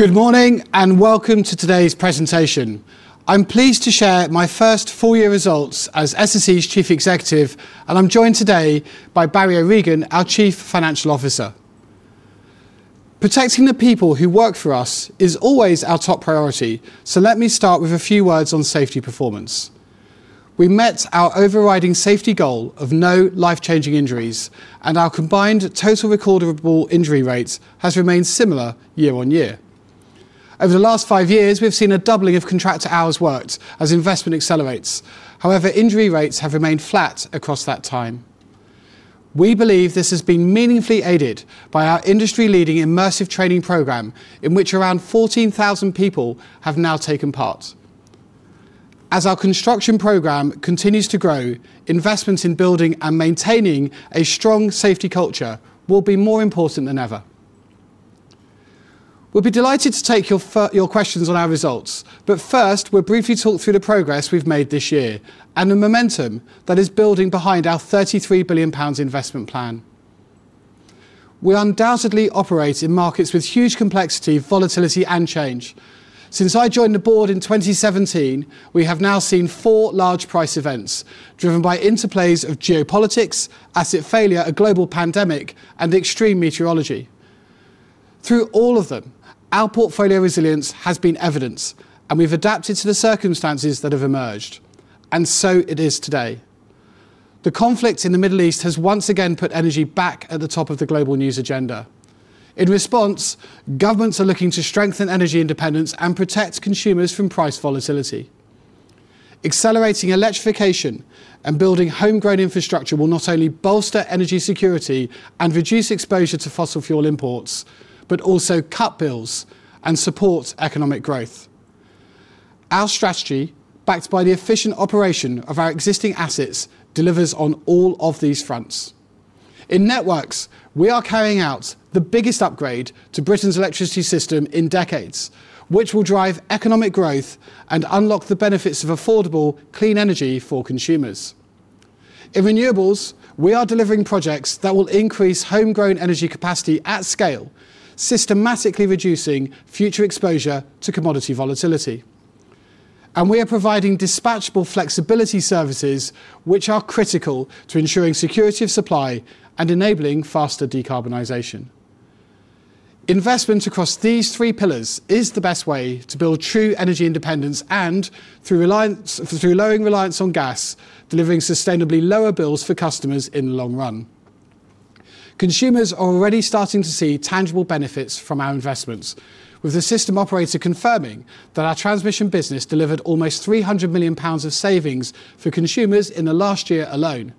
Good morning. Welcome to today's presentation. I'm pleased to share my first full-year results as SSE's Chief Executive. I'm joined today by Barry O'Regan, our Chief Financial Officer. Protecting the people who work for us is always our top priority. Let me start with a few words on safety performance. We met our overriding safety goal of no life-changing injuries. Our combined total recordable injury rate has remained similar year on year. Over the last five years, we've seen a doubling of contractor hours worked as investment accelerates. However, injury rates have remained flat across that time. We believe this has been meaningfully aided by our industry-leading immersive training program, in which around 14,000 people have now taken part. As our construction program continues to grow, investments in building and maintaining a strong safety culture will be more important than ever. We'll be delighted to take your questions on our results, but first, we'll briefly talk through the progress we've made this year and the momentum that is building behind our 33 billion pounds investment plan. We undoubtedly operate in markets with huge complexity, volatility, and change. Since I joined the board in 2017, we have now seen four large price events driven by interplays of geopolitics, asset failure, a global pandemic, and extreme meteorology. Through all of them, our portfolio resilience has been evidenced, and we've adapted to the circumstances that have emerged. It is today. The conflict in the Middle East has once again put energy back at the top of the global news agenda. In response, governments are looking to strengthen energy independence and protect consumers from price volatility. Accelerating electrification and building homegrown infrastructure will not only bolster energy security and reduce exposure to fossil fuel imports, but also cut bills and support economic growth. Our strategy, backed by the efficient operation of our existing assets, delivers on all of these fronts. In Networks, we are carrying out the biggest upgrade to Britain's electricity system in decades, which will drive economic growth and unlock the benefits of affordable, clean energy for consumers. In Renewables, we are delivering projects that will increase homegrown energy capacity at scale, systematically reducing future exposure to commodity volatility. We are providing dispatchable flexibility services, which are critical to ensuring security of supply and enabling faster decarbonization. Investment across these three pillars is the best way to build true energy independence and, through lowering reliance on gas, delivering sustainably lower bills for customers in the long run. Consumers are already starting to see tangible benefits from our investments. With the system operator confirming that our transmission business delivered almost 300 million pounds of savings for consumers in the last year alone.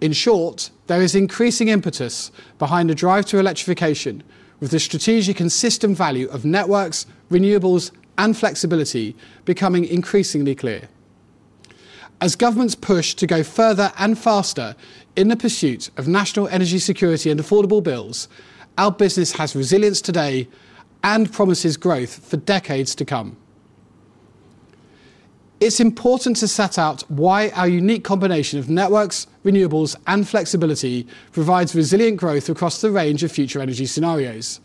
In short, there is increasing impetus behind the drive to electrification, with the strategic and system value of Networks, Renewables, and Flexibility becoming increasingly clear. As governments push to go further and faster in the pursuit of national energy security and affordable bills, our business has resilience today and promises growth for decades to come. It's important to set out why our unique combination of Networks, Renewables, and Flexibility provides resilient growth across the range of future energy scenarios.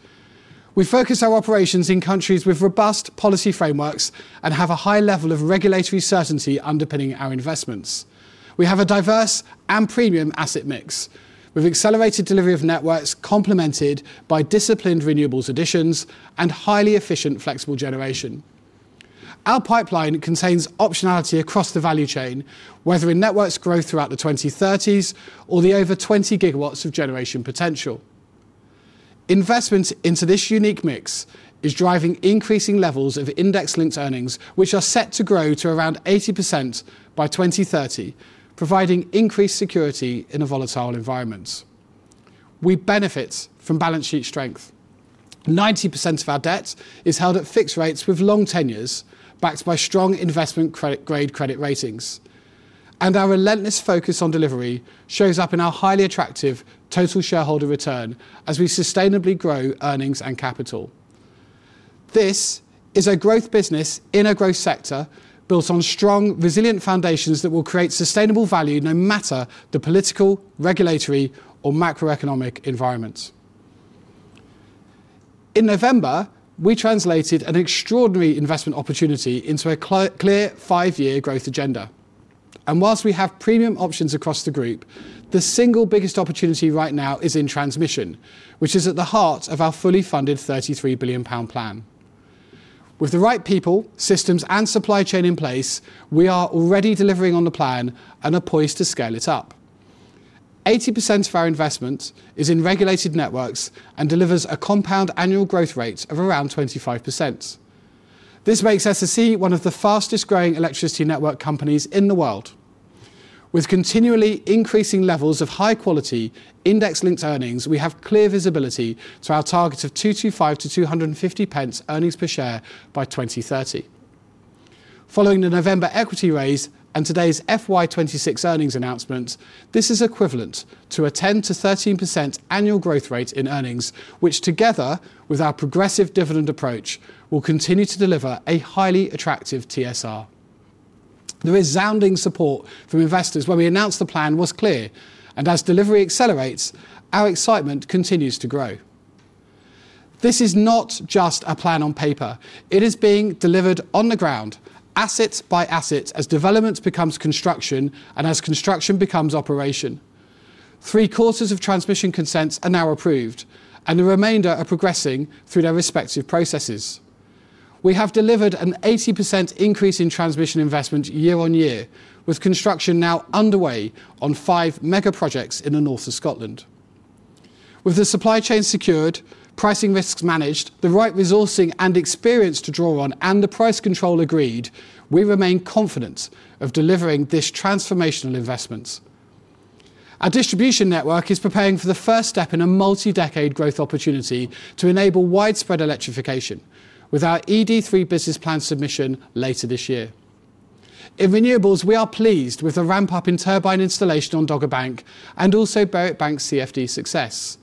We focus our operations in countries with robust policy frameworks and have a high level of regulatory certainty underpinning our investments. We have a diverse and premium asset mix. We've accelerated delivery of networks complemented by disciplined renewables additions and highly efficient, flexible generation. Our pipeline contains optionality across the value chain, whether in Networks growth throughout the 2030s or the over 20 GW of generation potential. Investment into this unique mix is driving increasing levels of index-linked earnings, which are set to grow to around 80% by 2030, providing increased security in a volatile environment. We benefit from balance sheet strength. 90% of our debt is held at fixed rates with long tenures, backed by strong investment grade credit ratings. Our relentless focus on delivery shows up in our highly attractive total shareholder return as we sustainably grow earnings and capital. This is a growth business in a growth sector, built on strong, resilient foundations that will create sustainable value no matter the political, regulatory, or macroeconomic environment. In November, we translated an extraordinary investment opportunity into a clear five-year growth agenda. Whilst we have premium options across the group, the single biggest opportunity right now is in Transmission, which is at the heart of our fully funded 33 billion pound plan. With the right people, systems, and supply chain in place, we are already delivering on the plan and are poised to scale it up. 80% of our investment is in regulated networks and delivers a compound annual growth rate of around 25%. This makes SSE one of the fastest-growing electricity network companies in the world. With continually increasing levels of high-quality index-linked earnings, we have clear visibility to our target of 2.25-2.50 earnings per share by 2030. Following the November equity raise and today's FY 2026 earnings announcement, this is equivalent to a 10%-13% annual growth rate in earnings, which together with our progressive dividend approach, will continue to deliver a highly attractive TSR. The resounding support from investors when we announced the plan was clear, and as delivery accelerates, our excitement continues to grow. This is not just a plan on paper. It is being delivered on the ground, asset by asset, as development becomes construction and as construction becomes operation. Three-quarters of transmission consents are now approved, and the remainder are progressing through their respective processes. We have delivered an 80% increase in transmission investment year-on-year, with construction now underway on five mega projects in the north of Scotland. With the supply chain secured, pricing risks managed, the right resourcing and experience to draw on, and the price control agreed, we remain confident of delivering this transformational investment. Our distribution network is preparing for the first step in a multi-decade growth opportunity to enable widespread electrification with our ED3 business plan submission later this year. In Renewables, we are pleased with the ramp-up in turbine installation on Dogger Bank and also Berwick Bank CfD success.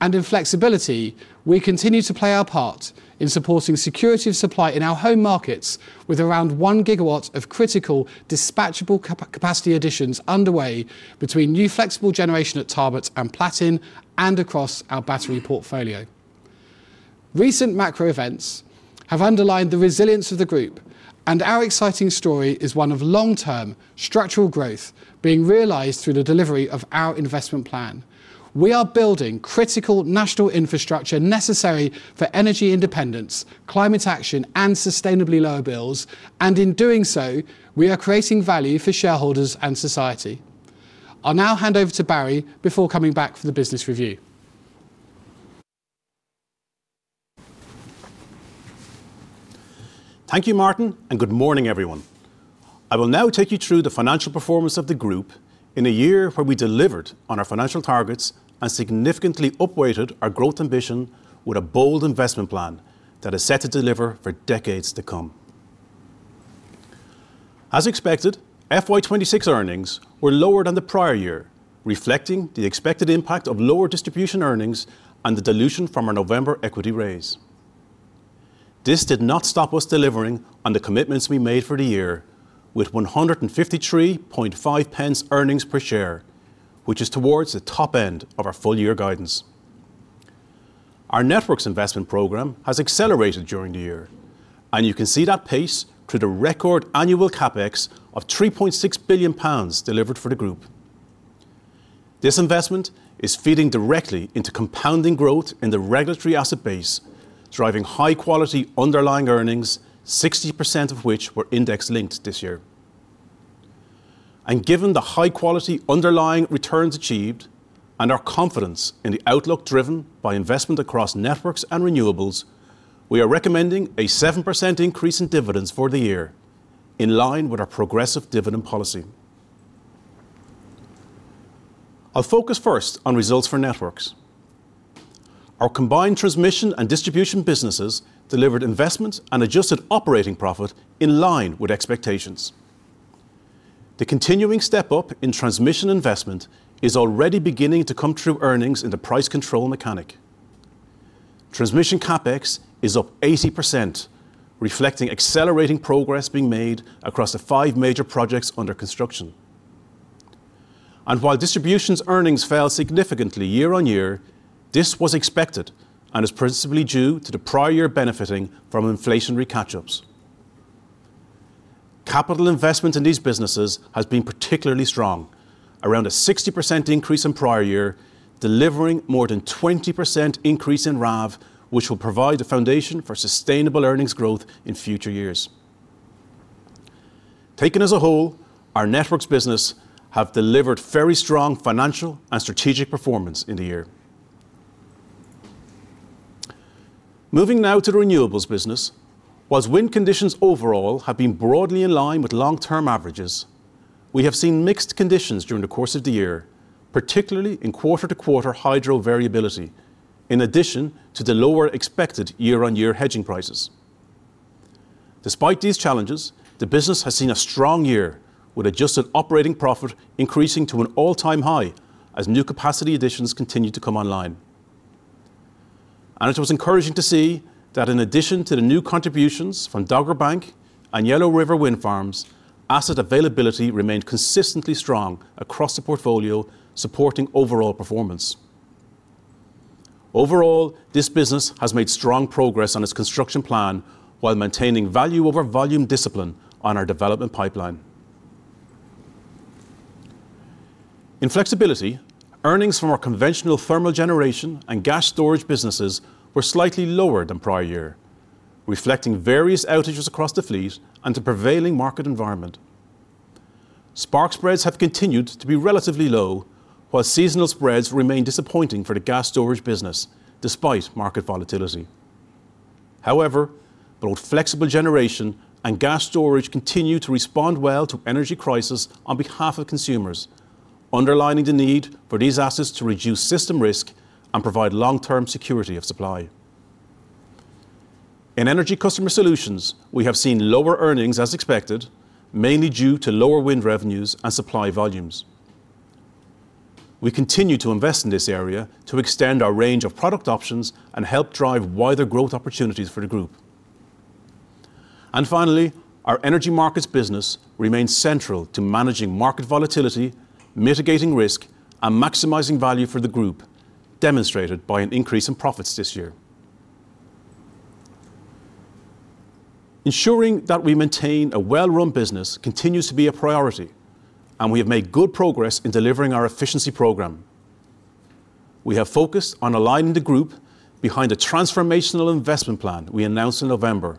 In Flexibility, we continue to play our part in supporting security of supply in our home markets with around 1 GW of critical dispatchable capacity additions underway between new flexible generation at Tarbert and Platin, and across our battery portfolio. Recent macro events have underlined the resilience of the group, and our exciting story is one of long-term structural growth being realized through the delivery of our investment plan. We are building critical national infrastructure necessary for energy independence, climate action, and sustainably lower bills, and in doing so, we are creating value for shareholders and society. I'll now hand over to Barry before coming back for the business review. Thank you, Martin, and good morning, everyone. I will now take you through the financial performance of the group in a year where we delivered on our financial targets and significantly up-weighted our growth ambition with a bold investment plan that is set to deliver for decades to come. As expected, FY 2026 earnings were lower than the prior year, reflecting the expected impact of lower distribution earnings and the dilution from our November equity raise. This did not stop us delivering on the commitments we made for the year, with 1.535 earnings per share, which is towards the top end of our full-year guidance. Our networks investment program has accelerated during the year, and you can see that pace through the record annual CapEx of 3.6 billion pounds delivered for the group. This investment is feeding directly into compounding growth in the regulatory asset base, driving high-quality underlying earnings, 60% of which were index-linked this year. Given the high-quality underlying returns achieved and our confidence in the outlook driven by investment across Networks and Renewables, we are recommending a 7% increase in dividends for the year, in line with our progressive dividend policy. I'll focus first on results for Networks. Our combined transmission and distribution businesses delivered investment and adjusted operating profit in line with expectations. The continuing step-up in transmission investment is already beginning to come through earnings in the price control mechanic. Transmission CapEx is up 80%, reflecting accelerating progress being made across the five major projects under construction. While Distributions earnings fell significantly year-on-year, this was expected and is principally due to the prior year benefiting from inflationary catch-ups. Capital investment in these businesses has been particularly strong, around a 60% increase on prior year, delivering more than 20% increase in RAV, which will provide the foundation for sustainable earnings growth in future years. Taken as a whole, our Networks business have delivered very strong financial and strategic performance in the year. Moving now to the renewables business. While wind conditions overall have been broadly in line with long-term averages, we have seen mixed conditions during the course of the year, particularly in quarter-to-quarter hydro variability, in addition to the lower expected year-on-year hedging prices. Despite these challenges, the business has seen a strong year, with adjusted operating profit increasing to an all-time high as new capacity additions continue to come online. It was encouraging to see that in addition to the new contributions from Dogger Bank and Yellow River Wind Farm, asset availability remained consistently strong across the portfolio, supporting overall performance. Overall, this business has made strong progress on its construction plan while maintaining value over volume discipline on our development pipeline. In Flexibility, earnings from our conventional thermal generation and gas storage businesses were slightly lower than prior year, reflecting various outages across the fleet and the prevailing market environment. Spark spreads have continued to be relatively low, while seasonal spreads remain disappointing for the gas storage business despite market volatility. However, both flexible generation and gas storage continue to respond well to energy crisis on behalf of consumers, underlining the need for these assets to reduce system risk and provide long-term security of supply. In Energy Customer Solutions, we have seen lower earnings as expected, mainly due to lower wind revenues and supply volumes. We continue to invest in this area to extend our range of product options and help drive wider growth opportunities for the group. Finally, our energy markets business remains central to managing market volatility, mitigating risk, and maximizing value for the group, demonstrated by an increase in profits this year. Ensuring that we maintain a well-run business continues to be a priority, and we have made good progress in delivering our efficiency program. We have focused on aligning the group behind the transformational investment plan we announced in November,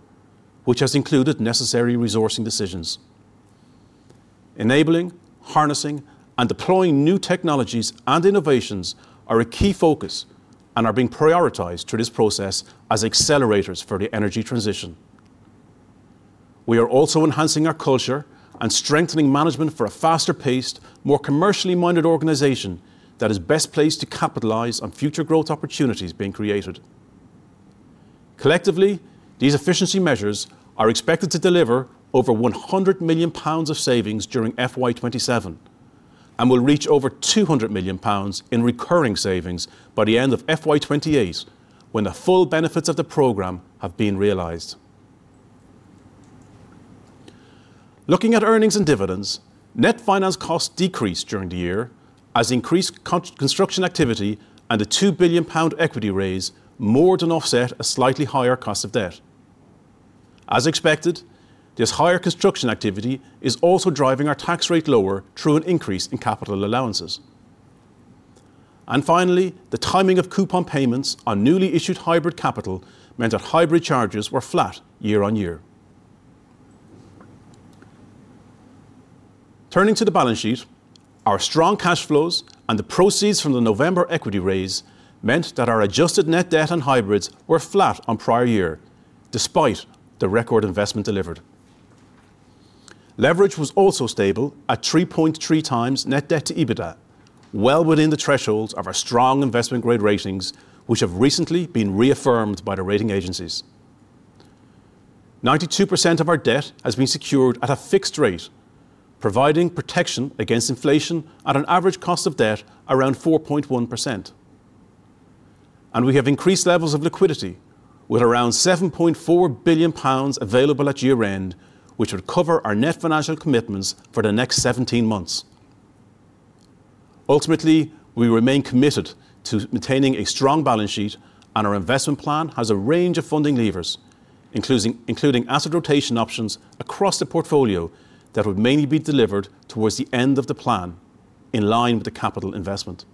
which has included necessary resourcing decisions. Enabling, harnessing, and deploying new technologies and innovations are a key focus and are being prioritized through this process as accelerators for the energy transition. We are also enhancing our culture and strengthening management for a faster-paced, more commercially-minded organization that is best placed to capitalize on future growth opportunities being created. Collectively, these efficiency measures are expected to deliver over 100 million pounds of savings during FY 2027 and will reach over 200 million pounds in recurring savings by the end of FY 2028, when the full benefits of the program have been realized. Looking at earnings and dividends, net finance costs decreased during the year as increased construction activity and a 2 billion pound equity raise more than offset a slightly higher cost of debt. As expected, this higher construction activity is also driving our tax rate lower through an increase in capital allowances. Finally, the timing of coupon payments on newly issued hybrid capital meant that hybrid charges were flat year on year. Turning to the balance sheet, our strong cash flows and the proceeds from the November equity raise meant that our adjusted net debt and hybrids were flat on prior year, despite the record investment delivered. Leverage was also stable at 3.3x net debt to EBITDA, well within the thresholds of our strong investment-grade ratings, which have recently been reaffirmed by the rating agencies. 92% of our debt has been secured at a fixed rate, providing protection against inflation at an average cost of debt around 4.1%. We have increased levels of liquidity with around 7.4 billion pounds available at year-end, which would cover our net financial commitments for the next 17 months. Ultimately, we remain committed to maintaining a strong balance sheet, and our investment plan has a range of funding levers, including asset rotation options across the portfolio that would mainly be delivered towards the end of the plan, in line with the capital investment.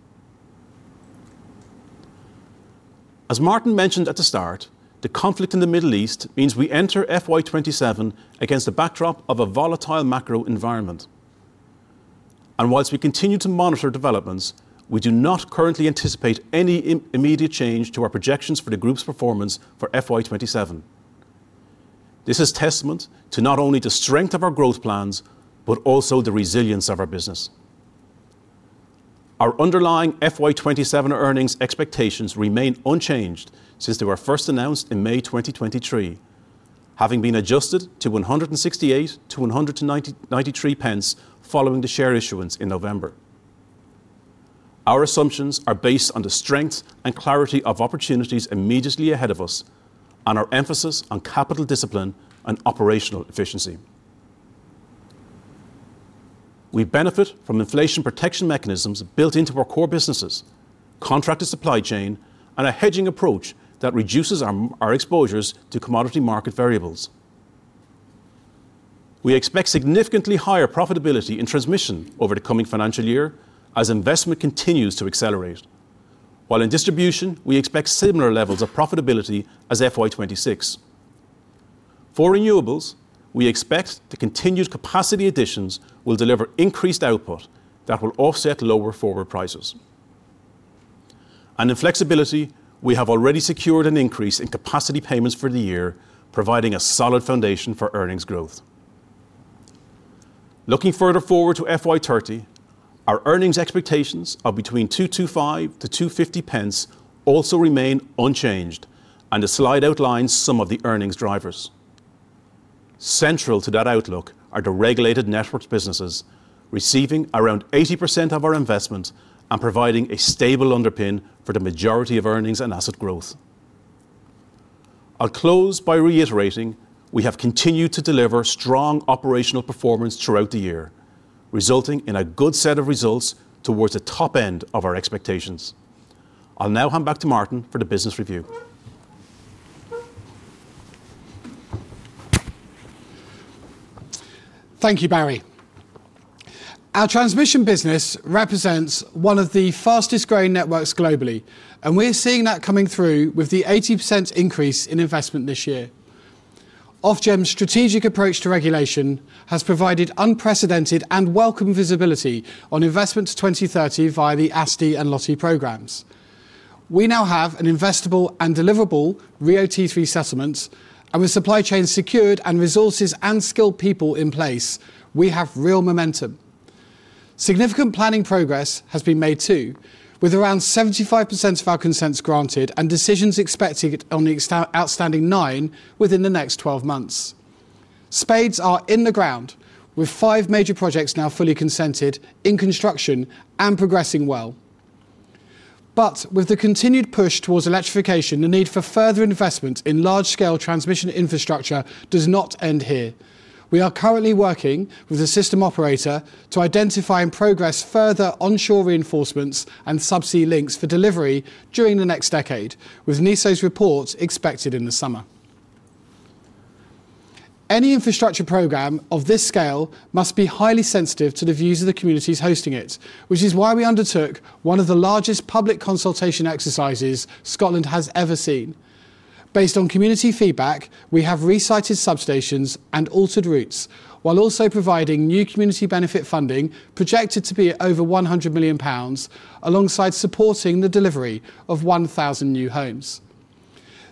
As Martin mentioned at the start, the conflict in the Middle East means we enter FY 2027 against a backdrop of a volatile macro environment. Whilst we continue to monitor developments, we do not currently anticipate any immediate change to our projections for the group's performance for FY 2027. This is testament to not only the strength of our growth plans, but also the resilience of our business. Our underlying FY 2027 earnings expectations remain unchanged since they were first announced in May 2023, having been adjusted to 1.68-1.93 following the share issuance in November. Our assumptions are based on the strength and clarity of opportunities immediately ahead of us and our emphasis on capital discipline and operational efficiency. We benefit from inflation protection mechanisms built into our core businesses, contracted supply chain, and a hedging approach that reduces our exposures to commodity market variables. We expect significantly higher profitability in Transmission over the coming financial year as investment continues to accelerate. While in Distribution, we expect similar levels of profitability as FY 2026. For Renewables, we expect the continued capacity additions will deliver increased output that will offset lower forward prices. In Flexibility, we have already secured an increase in capacity payments for the year, providing a solid foundation for earnings growth. Looking further forward to FY 2030, our earnings expectations of between 2.25-2.50 also remain unchanged, and the slide outlines some of the earnings drivers. Central to that outlook are the regulated networks businesses, receiving around 80% of our investment and providing a stable underpin for the majority of earnings and asset growth. I'll close by reiterating, we have continued to deliver strong operational performance throughout the year, resulting in a good set of results towards the top end of our expectations. I'll now hand back to Martin for the business review. Thank you, Barry. Our transmission business represents one of the fastest-growing networks globally. We're seeing that coming through with the 80% increase in investment this year. Ofgem's strategic approach to regulation has provided unprecedented and welcome visibility on investments 2030 via the ASTI and LOTI programs. We now have an investable and deliverable RIIO-T3 settlement. With supply chain secured and resources and skilled people in place, we have real momentum. Significant planning progress has been made, too, with around 75% of our consents granted and decisions expected on the outstanding nine within the next 12 months. Spades are in the ground with five major projects now fully consented, in construction, and progressing well. With the continued push towards electrification, the need for further investment in large-scale transmission infrastructure does not end here. We are currently working with the system operator to identify and progress further onshore reinforcements and subsea links for delivery during the next decade, with NESO's report expected in the summer. Any infrastructure program of this scale must be highly sensitive to the views of the communities hosting it, which is why we undertook one of the largest public consultation exercises Scotland has ever seen. Based on community feedback, we have resited substations and altered routes, while also providing new community benefit funding projected to be over 100 million pounds, alongside supporting the delivery of 1,000 new homes.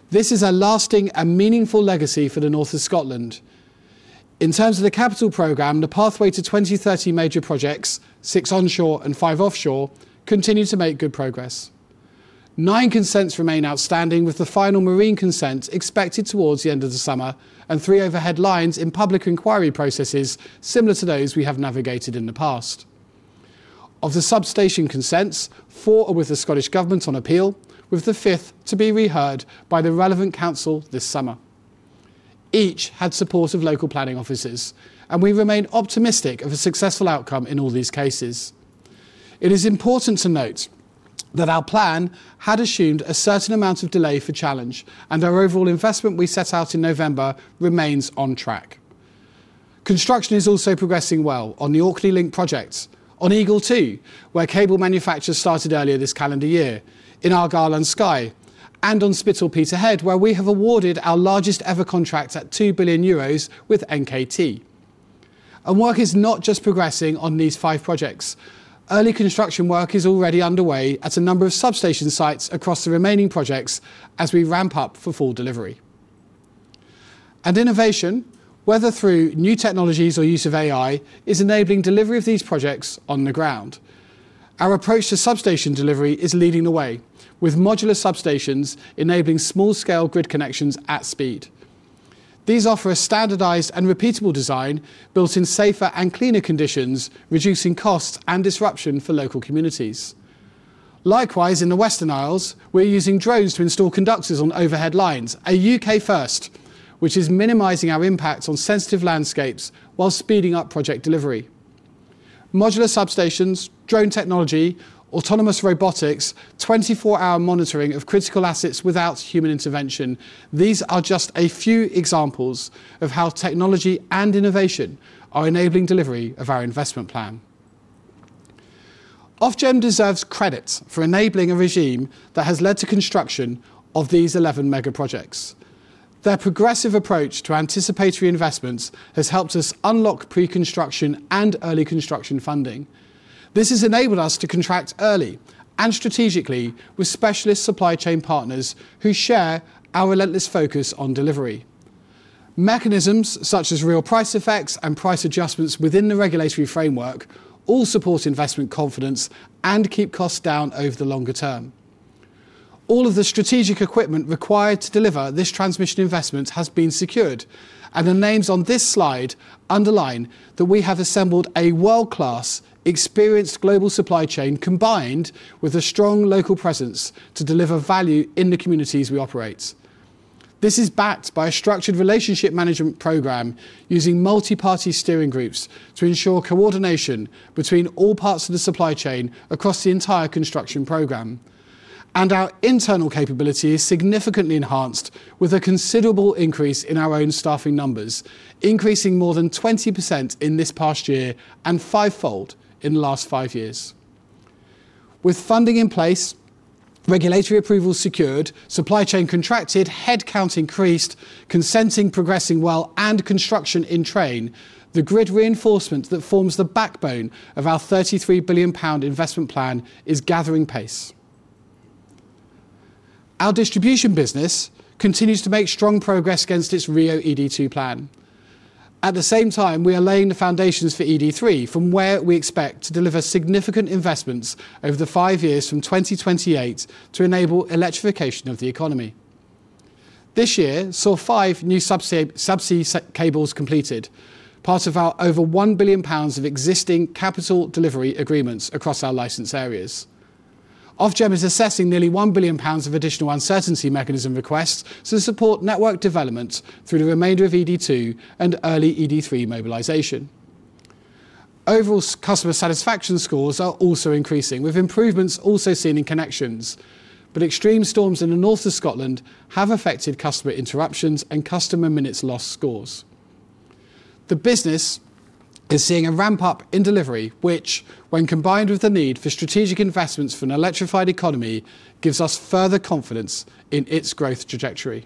This is a lasting and meaningful legacy for the north of Scotland. In terms of the capital program, the pathway to 2030 major projects, six onshore and five offshore, continue to make good progress. Nine consents remain outstanding, with the final marine consent expected towards the end of the summer and three overhead lines in public inquiry processes similar to those we have navigated in the past. Of the substation consents, four are with the Scottish Government on appeal, with the fifth to be reheard by the relevant council this summer. Each had support of local planning offices, and we remain optimistic of a successful outcome in all these cases. It is important to note that our plan had assumed a certain amount of delay for challenge and our overall investment we set out in November remains on track. Construction is also progressing well on the Orkney link project, on EGL2, where cable manufacture started earlier this calendar year, in Argyll and Skye, and on Spittal-Peterhead, where we have awarded our largest-ever contract at 2 billion euros with NKT. Work is not just progressing on these five projects. Early construction work is already underway at a number of substation sites across the remaining projects as we ramp up for full delivery. Innovation, whether through new technologies or use of AI, is enabling delivery of these projects on the ground. Our approach to substation delivery is leading the way, with modular substations enabling small-scale grid connections at speed. These offer a standardized and repeatable design built in safer and cleaner conditions, reducing costs and disruption for local communities. Likewise, in the Western Isles, we're using drones to install conductors on overhead lines, a U.K. first, which is minimizing our impact on sensitive landscapes while speeding up project delivery. Modular substations, drone technology, autonomous robotics, 24-hour monitoring of critical assets without human intervention. These are just a few examples of how technology and innovation are enabling delivery of our investment plan. Ofgem deserves credit for enabling a regime that has led to construction of these 11 mega-projects. Their progressive approach to anticipatory investments has helped us unlock pre-construction and early construction funding. This has enabled us to contract early and strategically with specialist supply chain partners who share our relentless focus on delivery. Mechanisms such as real price effects and price adjustments within the regulatory framework all support investment confidence and keep costs down over the longer term. All of the strategic equipment required to deliver this transmission investment has been secured, and the names on this slide underline that we have assembled a world-class, experienced global supply chain, combined with a strong local presence to deliver value in the communities we operate. This is backed by a structured relationship management program using multi-party steering groups to ensure coordination between all parts of the supply chain across the entire construction program. Our internal capability is significantly enhanced with a considerable increase in our own staffing numbers, increasing more than 20% in this past year and fivefold in the last five years. With funding in place, regulatory approvals secured, supply chain contracted, headcount increased, consenting progressing well, and construction in train, the grid reinforcement that forms the backbone of our 33 billion pound investment plan is gathering pace. Our distribution business continues to make strong progress against its RIIO-ED2 plan. At the same time, we are laying the foundations for ED3, from where we expect to deliver significant investments over the five years from 2028 to enable electrification of the economy. This year saw five new subsea cables completed, part of our over 1 billion pounds of existing capital delivery agreements across our license areas. Ofgem is assessing nearly 1 billion pounds of additional uncertainty mechanism requests to support network development through the remainder of ED2 and early ED3 mobilization. Overall customer satisfaction scores are also increasing, with improvements also seen in connections. Extreme storms in the north of Scotland have affected customer interruptions and customer minutes lost scores. The business is seeing a ramp-up in delivery which, when combined with the need for strategic investments for an electrified economy, gives us further confidence in its growth trajectory.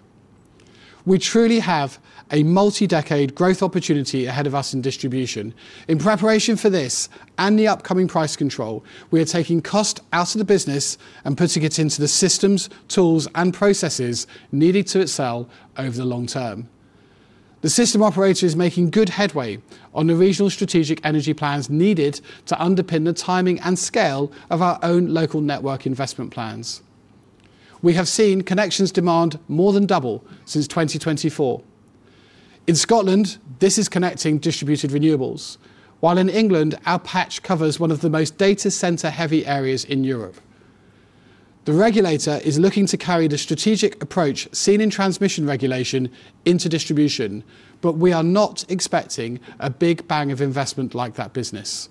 We truly have a multi-decade growth opportunity ahead of us in Distribution. In preparation for this and the upcoming price control, we are taking cost out of the business and putting it into the systems, tools, and processes needed to excel over the long term. The system operator is making good headway on the regional strategic energy plans needed to underpin the timing and scale of our own local network investment plans. We have seen connections demand more than double since 2024. In Scotland, this is connecting distributed renewables, while in England, our patch covers one of the most data center-heavy areas in Europe. The regulator is looking to carry the strategic approach seen in transmission regulation into distribution, but we are not expecting a big bang of investment like that business.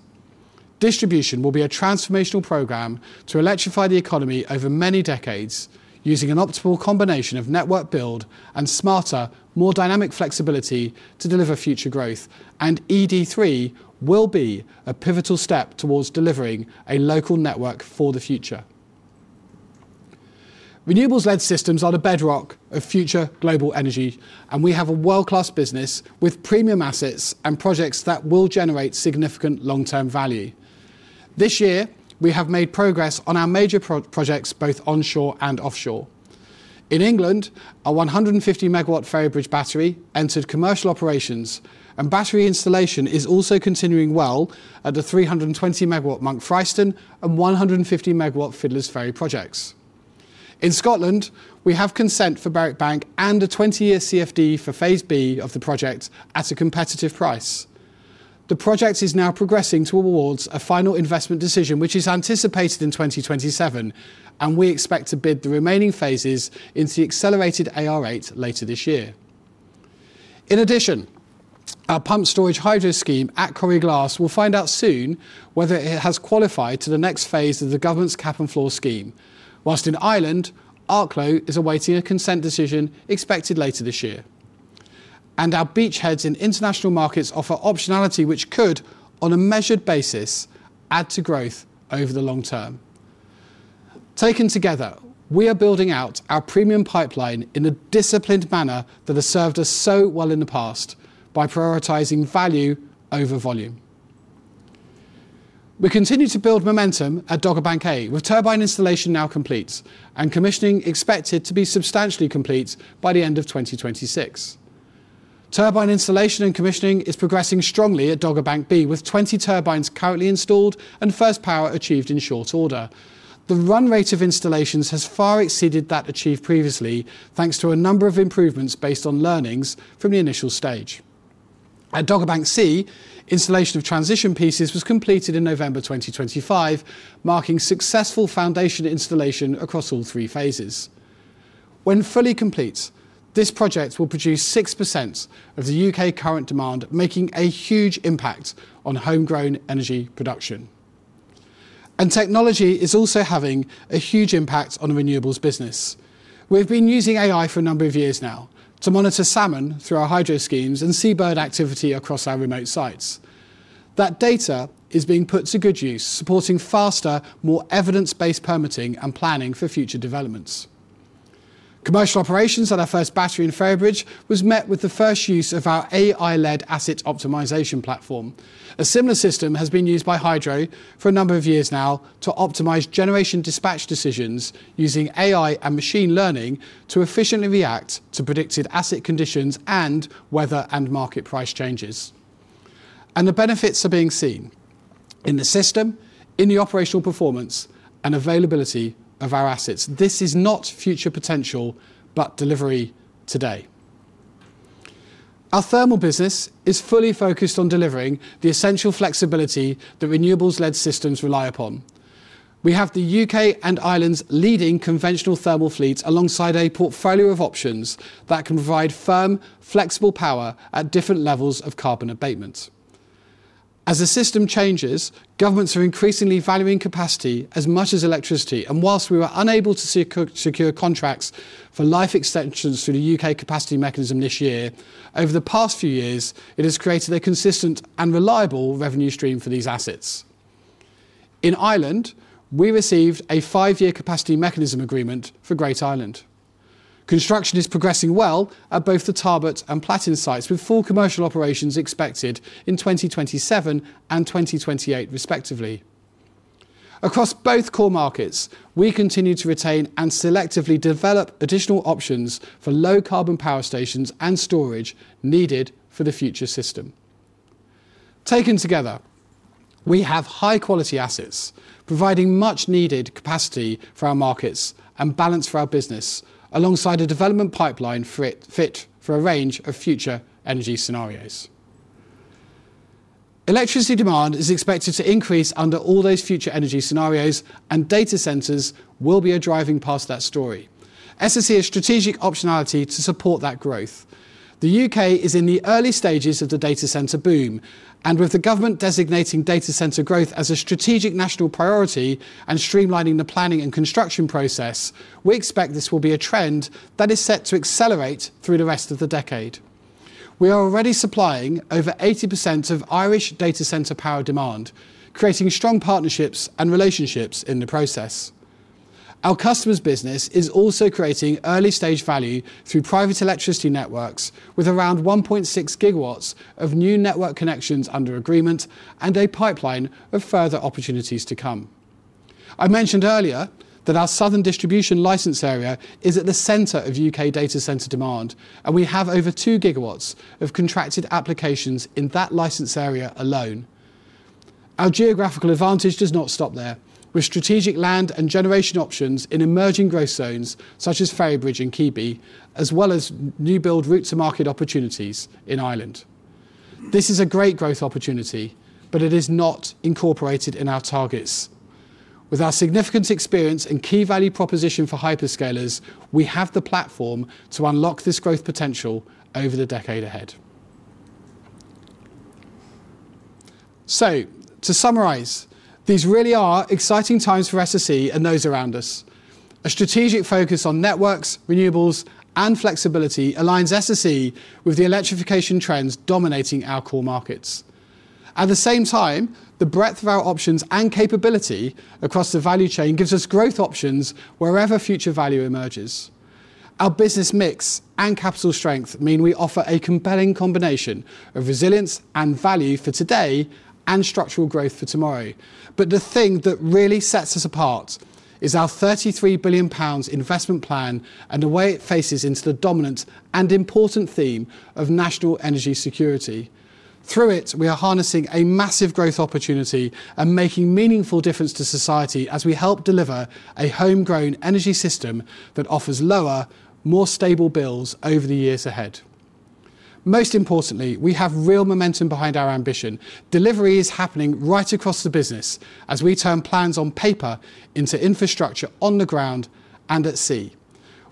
Distribution will be a transformational program to electrify the economy over many decades using an optimal combination of network build and smarter, more dynamic flexibility to deliver future growth. ED3 will be a pivotal step towards delivering a local network for the future. Renewables-led systems are the bedrock of future global energy. We have a world-class business with premium assets and projects that will generate significant long-term value. This year, we have made progress on our major projects, both onshore and offshore. In England, our 150 MW Ferrybridge battery entered commercial operations. Battery installation is also continuing well at the 320 MW Monk Fryston and 150 MW Fiddlers Ferry projects. In Scotland, we have consent for Berwick Bank and a 20-year CfD for Phase B of the project at a competitive price. The project is now progressing towards a final investment decision, which is anticipated in 2027, and we expect to bid the remaining phases into the accelerated AR8 later this year. In addition, our pumped storage hydro scheme at Coire Glas will find out soon whether it has qualified to the next phase of the government's Cap and Floor scheme. Whilst in Ireland, Arklow is awaiting a consent decision expected later this year. Our beachheads in international markets offer optionality which could, on a measured basis, add to growth over the long term. Taken together, we are building out our premium pipeline in a disciplined manner that has served us so well in the past by prioritizing value over volume. We continue to build momentum at Dogger Bank A, with turbine installation now complete and commissioning expected to be substantially complete by the end of 2026. Turbine installation and commissioning is progressing strongly at Dogger Bank B, with 20 turbines currently installed and first power achieved in short order. The run rate of installations has far exceeded that achieved previously, thanks to a number of improvements based on learnings from the initial stage. At Dogger Bank C, installation of transition pieces was completed in November 2025, marking successful foundation installation across all three phases. When fully complete, this project will produce 6% of the U.K. current demand, making a huge impact on homegrown energy production. Technology is also having a huge impact on the renewables business. We've been using AI for a number of years now to monitor salmon through our hydro schemes and seabird activity across our remote sites. That data is being put to good use, supporting faster, more evidence-based permitting and planning for future developments. Commercial operations at our first battery in Ferrybridge was met with the first use of our AI-led asset optimization platform. A similar system has been used by hydro for a number of years now to optimize generation dispatch decisions using AI and machine learning to efficiently react to predicted asset conditions and weather and market price changes. The benefits are being seen in the system, in the operational performance, and availability of our assets. This is not future potential, but delivery today. Our thermal business is fully focused on delivering the essential flexibility that renewables-led systems rely upon. We have the U.K. and Ireland's leading conventional thermal fleet alongside a portfolio of options that can provide firm, flexible power at different levels of carbon abatement. Whilst we were unable to secure contracts for life extensions through the U.K. capacity mechanism this year, over the past few years, it has created a consistent and reliable revenue stream for these assets. In Ireland, we received a five-year capacity mechanism agreement for Great Island. Construction is progressing well at both the Tarbert and Platin sites, with full commercial operations expected in 2027 and 2028, respectively. Across both core markets, we continue to retain and selectively develop additional options for low-carbon power stations and storage needed for the future system. Taken together, we have high-quality assets providing much needed capacity for our markets and balance for our business, alongside a development pipeline fit for a range of future energy scenarios. Electricity demand is expected to increase under all those future energy scenarios, and data centers will be a driving part of that story. SSE has strategic optionality to support that growth. The U.K. is in the early stages of the data center boom, and with the government designating data center growth as a strategic national priority and streamlining the planning and construction process, we expect this will be a trend that is set to accelerate through the rest of the decade. We are already supplying over 80% of Irish data center power demand, creating strong partnerships and relationships in the process. Our customers' business is also creating early-stage value through private electricity networks with around 1.6 GW of new network connections under agreement and a pipeline of further opportunities to come. I mentioned earlier that our southern distribution license area is at the center of U.K. data center demand, and we have over 2 GW of contracted applications in that license area alone. Our geographical advantage does not stop there. With strategic land and generation options in emerging growth zones such as Ferrybridge and Keadby, as well as new build route-to-market opportunities in Ireland. This is a great growth opportunity, but it is not incorporated in our targets. With our significant experience and key value proposition for hyperscalers, we have the platform to unlock this growth potential over the decade ahead. To summarize, these really are exciting times for SSE and those around us. A strategic focus on Networks, Renewables, and Flexibility aligns SSE with the electrification trends dominating our core markets. At the same time, the breadth of our options and capability across the value chain gives us growth options wherever future value emerges. Our business mix and capital strength mean we offer a compelling combination of resilience and value for today and structural growth for tomorrow. The thing that really sets us apart is our 33 billion pounds investment plan and the way it faces into the dominant and important theme of national energy security. Through it, we are harnessing a massive growth opportunity and making meaningful difference to society as we help deliver a homegrown energy system that offers lower, more stable bills over the years ahead. Most importantly, we have real momentum behind our ambition. Delivery is happening right across the business as we turn plans on paper into infrastructure on the ground and at sea.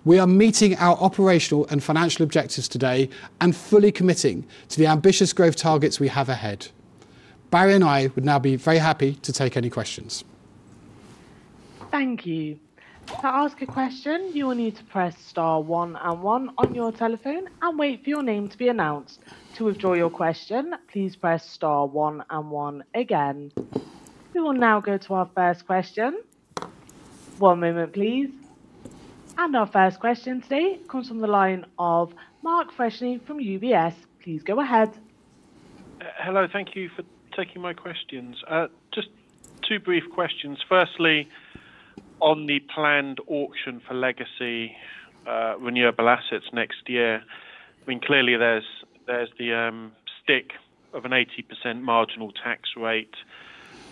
We are meeting our operational and financial objectives today and fully committing to the ambitious growth targets we have ahead. Barry and I would now be very happy to take any questions. Thank you. To ask a question, you will need to press star one and one on your telephone and wait for your name to be announced. To withdraw your question, please press star one and one again. We will now go to our first question. One moment, please. Our first question today comes from the line of Mark Freshney from UBS. Please go ahead. Hello. Thank you for taking my questions. Just two brief questions. Firstly, on the planned auction for legacy renewable assets next year, clearly there's the stick of an 80% marginal tax rate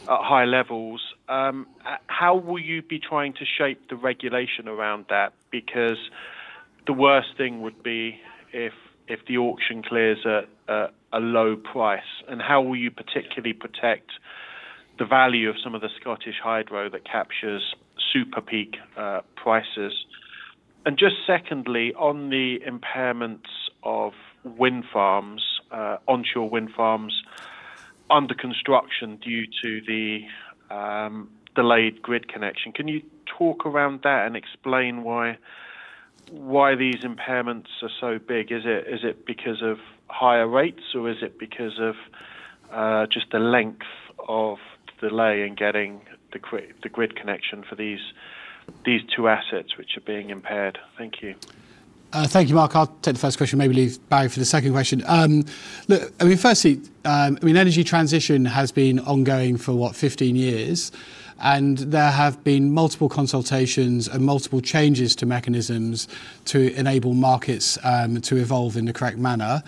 at high levels. How will you be trying to shape the regulation around that? The worst thing would be if the auction clears at a low price. How will you particularly protect the value of some of the Scottish hydro that captures super peak prices? Just secondly, on the impairments of onshore wind farms under construction due to the delayed grid connection, can you talk around that and explain why these impairments are so big? Is it because of higher rates, or is it because of just the length of delay in getting the grid connection for these two assets which are being impaired? Thank you. Thank you, Mark. I'll take the first question, maybe leave Barry for the second question. Look, firstly, energy transition has been ongoing for what? 15 years, and there have been multiple consultations and multiple changes to mechanisms to enable markets to evolve in the correct manner.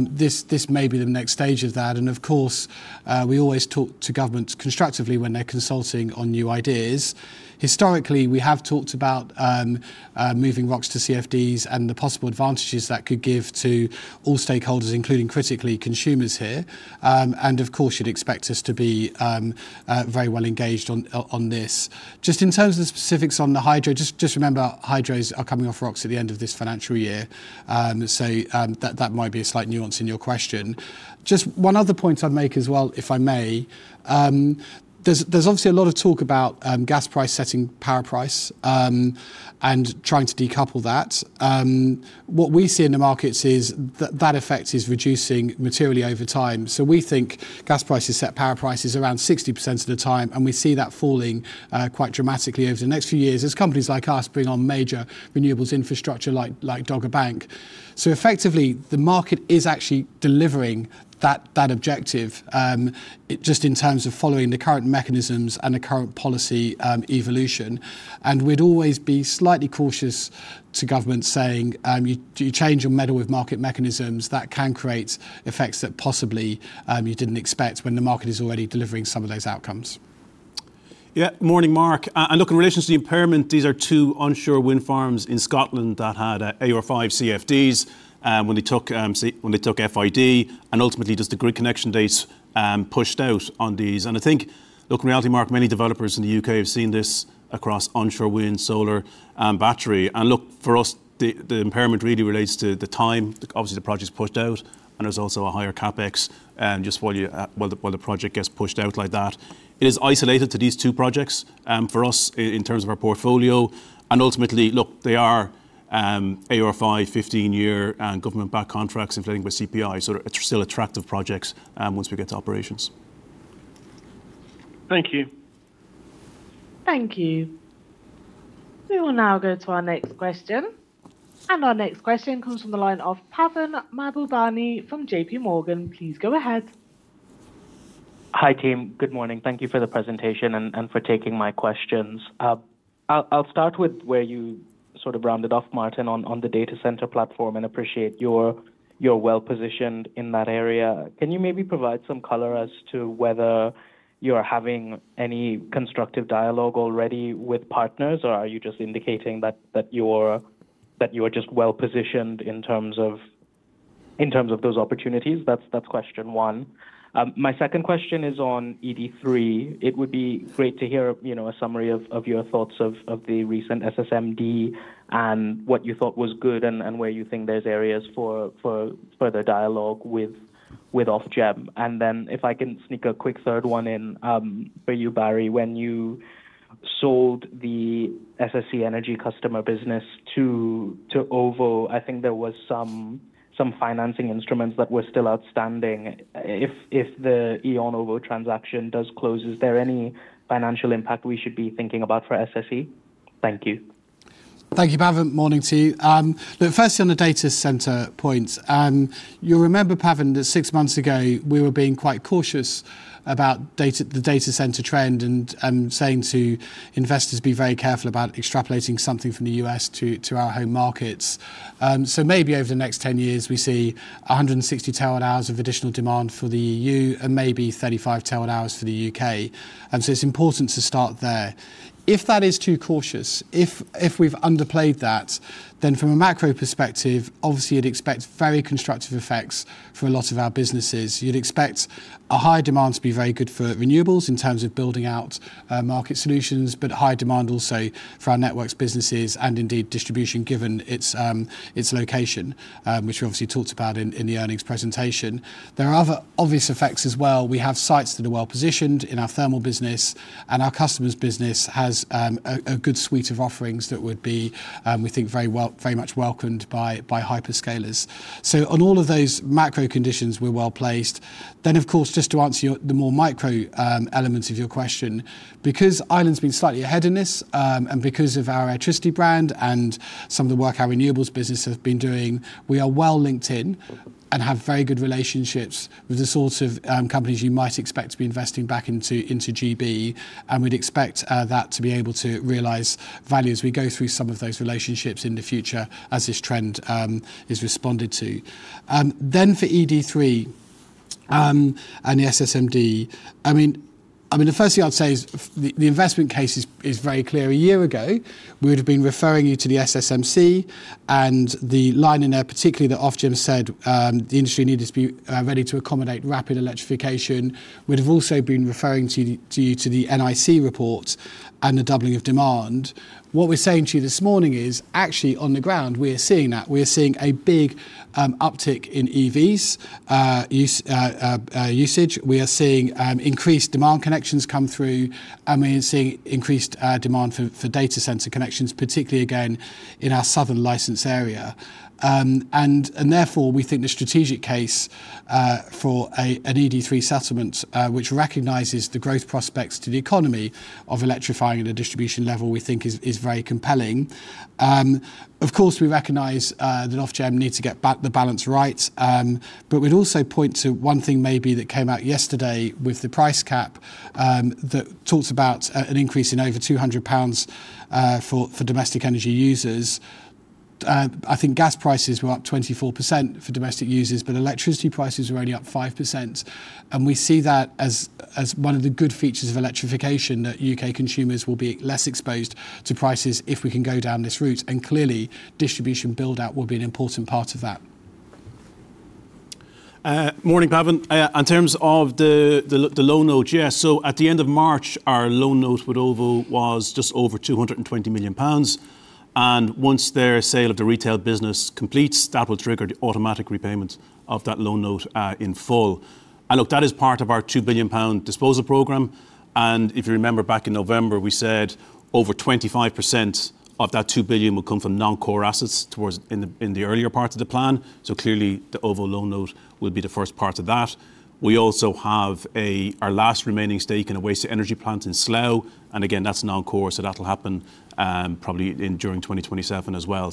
This may be the next stage of that, and of course, we always talk to governments constructively when they're consulting on new ideas. Historically, we have talked about moving ROCs to CfDs and the possible advantages that could give to all stakeholders, including critically consumers here. Of course, you'd expect us to be very well engaged on this. Just in terms of the specifics on the hydro, just remember hydros are coming off ROCs at the end of this financial year, so that might be a slight nuance in your question. Just one other point I'd make as well, if I may. There's obviously a lot of talk about gas price setting power price, and trying to decouple that. What we see in the markets is that effect is reducing materially over time. We think gas prices set power prices around 60% of the time, and we see that falling quite dramatically over the next few years as companies like us bring on major renewables infrastructure like Dogger Bank. Effectively, the market is actually delivering that objective, just in terms of following the current mechanisms and the current policy evolution. We'd always be slightly cautious to government saying, "You change and meddle with market mechanisms, that can create effects that possibly you didn't expect when the market is already delivering some of those outcomes." Morning, Mark. Look, in relation to the impairment, these are two onshore wind farms in Scotland that had AR5 CfDs. When they took FID, ultimately just the grid connection dates pushed out on these. I think, look, in reality, Mark, many developers in the U.K. have seen this across onshore wind, solar, and battery. Look for us, the impairment really relates to the time, obviously, the project's pushed out, there's also a higher CapEx, just while the project gets pushed out like that. It is isolated to these two projects for us in terms of our portfolio. Ultimately, look, they are AR5 15-year government-backed contracts inflating with CPI, it's still attractive projects once we get to operations. Thank you. Thank you. We will now go to our next question. Our next question comes from the line of Pavan Mahbubani from JPMorgan. Please go ahead. Hi, team. Good morning. Thank you for the presentation and for taking my questions. I'll start with where you sort of rounded off, Martin, on the data center platform, and appreciate you're well-positioned in that area. Can you maybe provide some color as to whether you're having any constructive dialogue already with partners, or are you just indicating that you are just well-positioned in terms of those opportunities? That's question one. My second question is on ED3. It would be great to hear a summary of your thoughts of the recent SSMD and what you thought was good and where you think there's areas for further dialogue with Ofgem. If I can sneak a quick third one in for you, Barry, when you sold the SSE Energy Services to OVO, I think there was some financing instruments that were still outstanding. If the E.ON OVO transaction does close, is there any financial impact we should be thinking about for SSE? Thank you. Thank you, Pavan. Morning to you. Firstly, on the data center point, you'll remember, Pavan, that six months ago we were being quite cautious about the data center trend, and saying to investors be very careful about extrapolating something from the U.S. to our home markets. Maybe over the next 10 years, we see 160 TWh of additional demand for the EU and maybe 35 TWh for the U.K. It's important to start there. If that is too cautious, if we've underplayed that, from a macro perspective, obviously you'd expect very constructive effects for a lot of our businesses. You'd expect a high demand to be very good for renewables in terms of building out market solutions, high demand also for our networks, businesses, and indeed distribution, given its location, which we obviously talked about in the earnings presentation. There are other obvious effects as well. We have sites that are well-positioned in our thermal business, and our customers business has a good suite of offerings that would be, we think, very much welcomed by hyperscalers. On all of those macro conditions, we're well-placed. Of course, just to answer the more micro elements of your question, because Ireland's been slightly ahead in this, and because of our electricity brand and some of the work our renewables business have been doing, we are well linked in and have very good relationships with the sorts of companies you might expect to be investing back into GB. We'd expect that to be able to realize value as we go through some of those relationships in the future as this trend is responded to. For ED3 and the SSMD, the first thing I'd say is the investment case is very clear. A year ago, we would've been referring you to the SSMC and the line in there, particularly that Ofgem said the industry needed to be ready to accommodate rapid electrification. We'd have also been referring you to the NIC report and the doubling of demand. What we're saying to you this morning is actually on the ground, we are seeing that. We are seeing a big uptick in EV usage. We are seeing increased demand connections come through, and we are seeing increased demand for data center connections, particularly again, in our southern license area. Therefore, we think the strategic case for an ED3 settlement, which recognizes the growth prospects to the economy of electrifying at a distribution level, we think is very compelling. Of course, we recognize that Ofgem need to get the balance right. We'd also point to one thing maybe that came out yesterday with the price cap, that talks about an increase in over 200 pounds for domestic energy users. I think gas prices were up 24% for domestic users, but electricity prices were only up 5%, and we see that as one of the good features of electrification, that U.K. consumers will be less exposed to prices if we can go down this route. Clearly, distribution build-out will be an important part of that. Morning, Pavan. In terms of the loan note, yes. At the end of March, our loan note with OVO was just over 220 million pounds, and once their sale of the retail business completes, that will trigger the automatic repayment of that loan note in full. Look, that is part of our 2 billion pound disposal program, and if you remember back in November, we said over 25% of that 2 billion would come from non-core assets in the earlier parts of the plan. Clearly, the OVO loan note will be the first part of that. We also have our last remaining stake in a waste energy plant in Slough, and again, that's non-core, so that'll happen probably during 2027 as well.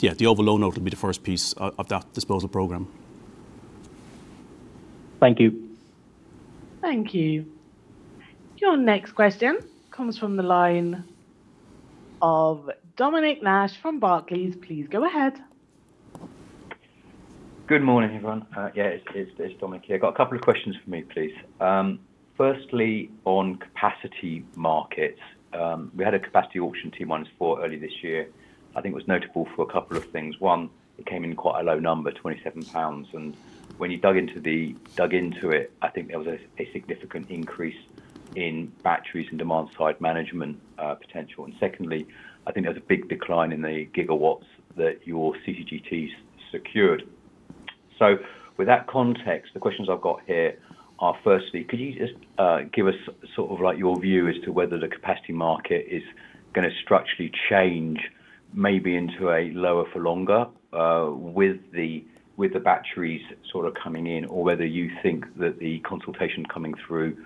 Yeah, the OVO loan note will be the first piece of that disposal program. Thank you. Thank you. Your next question comes from the line of Dominic Nash from Barclays. Please go ahead. Good morning, everyone. It's Dominic here. Got a couple of questions from me, please. Firstly, on capacity markets. We had a capacity auction, T-4, earlier this year. I think it was notable for a couple of things. One, it came in quite a low number, 27 pounds, and when you dug into it, I think there was a significant increase in batteries and demand-side management potential. Secondly, I think there was a big decline in the gigawatts that your CCGTs secured. With that context, the questions I've got here are, firstly, could you just give us your view as to whether the capacity market is going to structurally change, maybe into a lower for longer, with the batteries coming in, or whether you think that the consultation coming through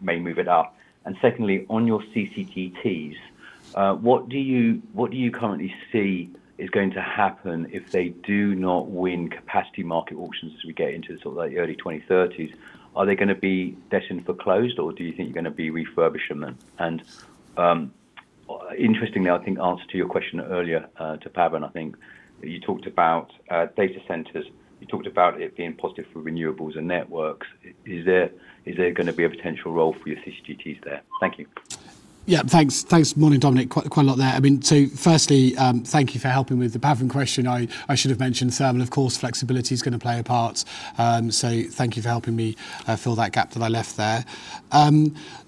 may move it up? Secondly, on your CCGTs, what do you currently see is going to happen if they do not win capacity market auctions as we get into the early 2030s? Are they going to be destined for closed, or do you think you're going to be refurbishing them? Interestingly, I think answer to your question earlier, to Pavan, I think, you talked about data centers, you talked about it being positive for Renewables and Networks. Is there going to be a potential role for your CCGTs there? Thank you. Yeah, thanks. Morning, Dominic. Quite a lot there. Firstly, thank you for helping me with the Pavan question. I should have mentioned thermal. Of course, flexibility is going to play a part. Thank you for helping me fill that gap that I left there.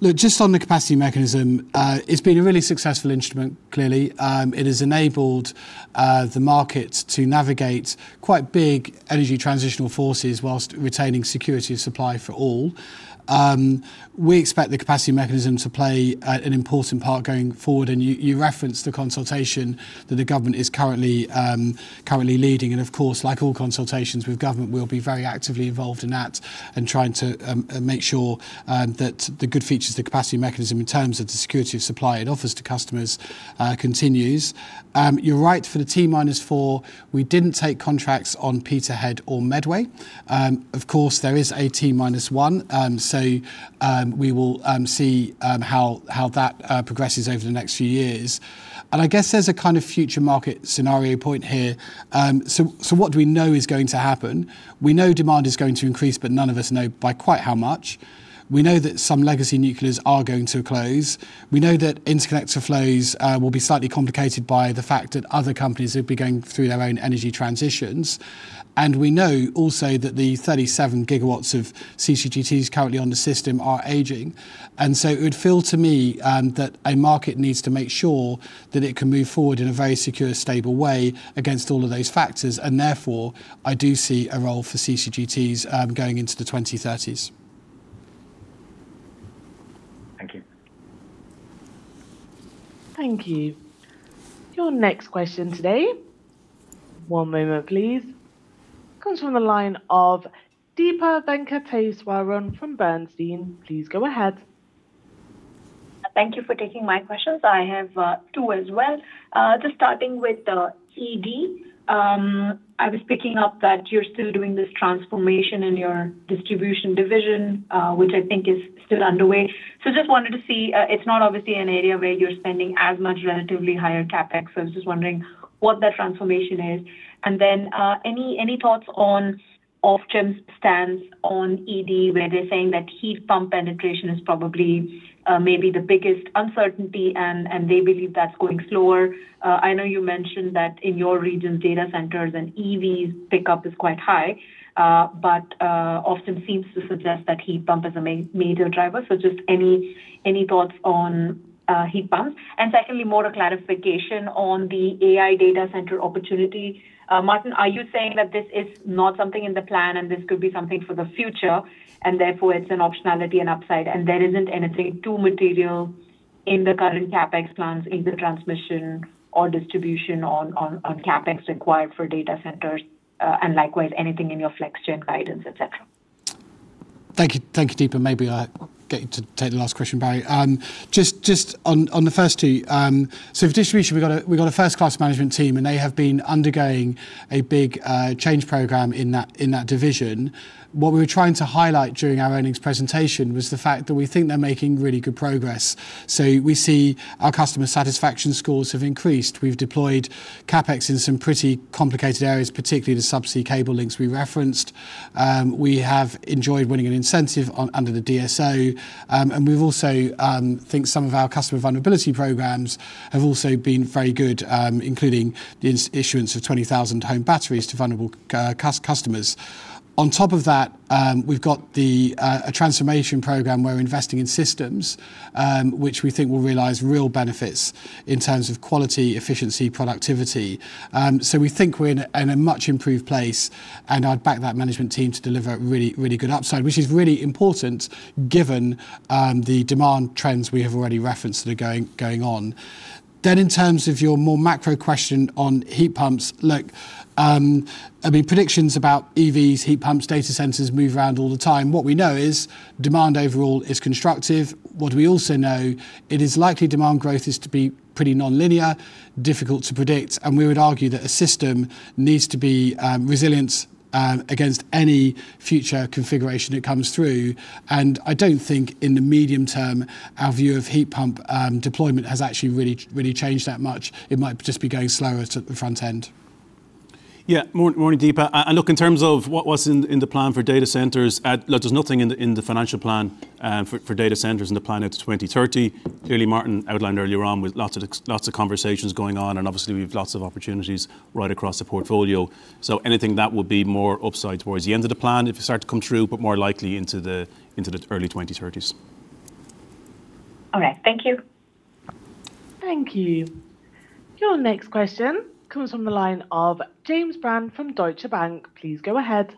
Look, just on the capacity mechanism, it's been a really successful instrument, clearly. It has enabled the market to navigate quite big energy transitional forces whilst retaining security of supply for all. We expect the capacity mechanism to play an important part going forward, and you referenced the consultation that the government is currently leading, and of course, like all consultations with government, we'll be very actively involved in that and trying to make sure that the good features of the capacity mechanism in terms of the security of supply it offers to customers continues. You're right, for the T minus four, we didn't take contracts on Peterhead or Medway. Of course, there is a T minus one. We will see how that progresses over the next few years. I guess there's a kind of future market scenario point here. What do we know is going to happen? We know demand is going to increase, but none of us know by quite how much. We know that some legacy nuclears are going to close. We know that interconnector flows will be slightly complicated by the fact that other companies will be going through their own energy transitions. We know also that the 37 GW of CCGTs currently on the system are aging. It would feel to me that a market needs to make sure that it can move forward in a very secure, stable way against all of those factors, and therefore, I do see a role for CCGTs going into the 2030s. Thank you. Thank you. Your next question today, one moment please, comes from the line of Deepa Venkateswaran from Bernstein. Please go ahead. Thank you for taking my questions. I have two as well. Just starting with ED. I was picking up that you're still doing this transformation in your Distribution division, which I think is still underway. Just wanted to see, it's not obviously an area where you're spending as much relatively higher CapEx, so I was just wondering what that transformation is. Any thoughts on Ofgem's stance on ED where they're saying that heat pump penetration is probably maybe the biggest uncertainty, and they believe that's going slower? I know you mentioned that in your regions, data centers and EVs pickup is quite high. Ofgem seems to suggest that heat pump is a major driver. Just any thoughts on heat pumps? Secondly, more a clarification on the AI data center opportunity. Martin, are you saying that this is not something in the plan and this could be something for the future, and therefore it's an optionality and upside, and there isn't anything too material in the current CapEx plans in the Transmission or Distribution on CapEx required for data centers? Likewise, anything in your flex gen guidance, et cetera? Thank you, Deepa, and maybe I get you to take the last question, Barry. Just on the first two. For Distribution, we've got a first-class management team, and they have been undergoing a big change program in that division. What we were trying to highlight during our earnings presentation was the fact that we think they're making really good progress. We see our customer satisfaction scores have increased. We've deployed CapEx in some pretty complicated areas, particularly the sub-sea cable links we referenced. We have enjoyed winning an incentive under the DSO. We also think some of our customer vulnerability programs have also been very good, including the issuance of 20,000 home batteries to vulnerable customers. On top of that, we've got a transformation program where we're investing in systems, which we think will realize real benefits in terms of quality, efficiency, productivity. We think we're in a much improved place, and I'd back that management team to deliver really good upside, which is really important given the demand trends we have already referenced that are going on. In terms of your more macro question on heat pumps. Look, predictions about EVs, heat pumps, data centers move around all the time. What we know is demand overall is constructive. What we also know, it is likely demand growth is to be pretty nonlinear, difficult to predict, and we would argue that a system needs to be resilient against any future configuration that comes through. I don't think in the medium term, our view of heat pump deployment has actually really changed that much. It might just be going slower to the front end. Yeah. Morning, Deepa. Look, in terms of what's in the plan for data centers, there's nothing in the financial plan for data centers in the plan out to 2030. Clearly, Martin outlined earlier on with lots of conversations going on, and obviously we've lots of opportunities right across the portfolio. Anything that would be more upside towards the end of the plan if it start to come through, but more likely into the early 2030s. Okay. Thank you. Thank you. Your next question comes from the line of James Brand from Deutsche Bank. Please go ahead.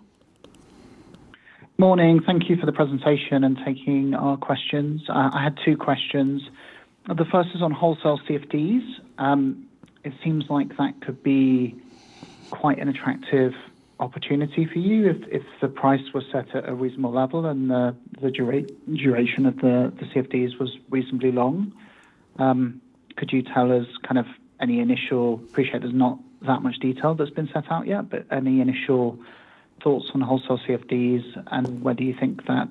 Morning. Thank you for the presentation and taking our questions. I had two questions. The first is on wholesale CfDs. It seems like that could be quite an attractive opportunity for you if the price was set at a reasonable level and the duration of the CfDs was reasonably long. Could you tell us any initial thoughts on wholesale CfDs, and whether you think that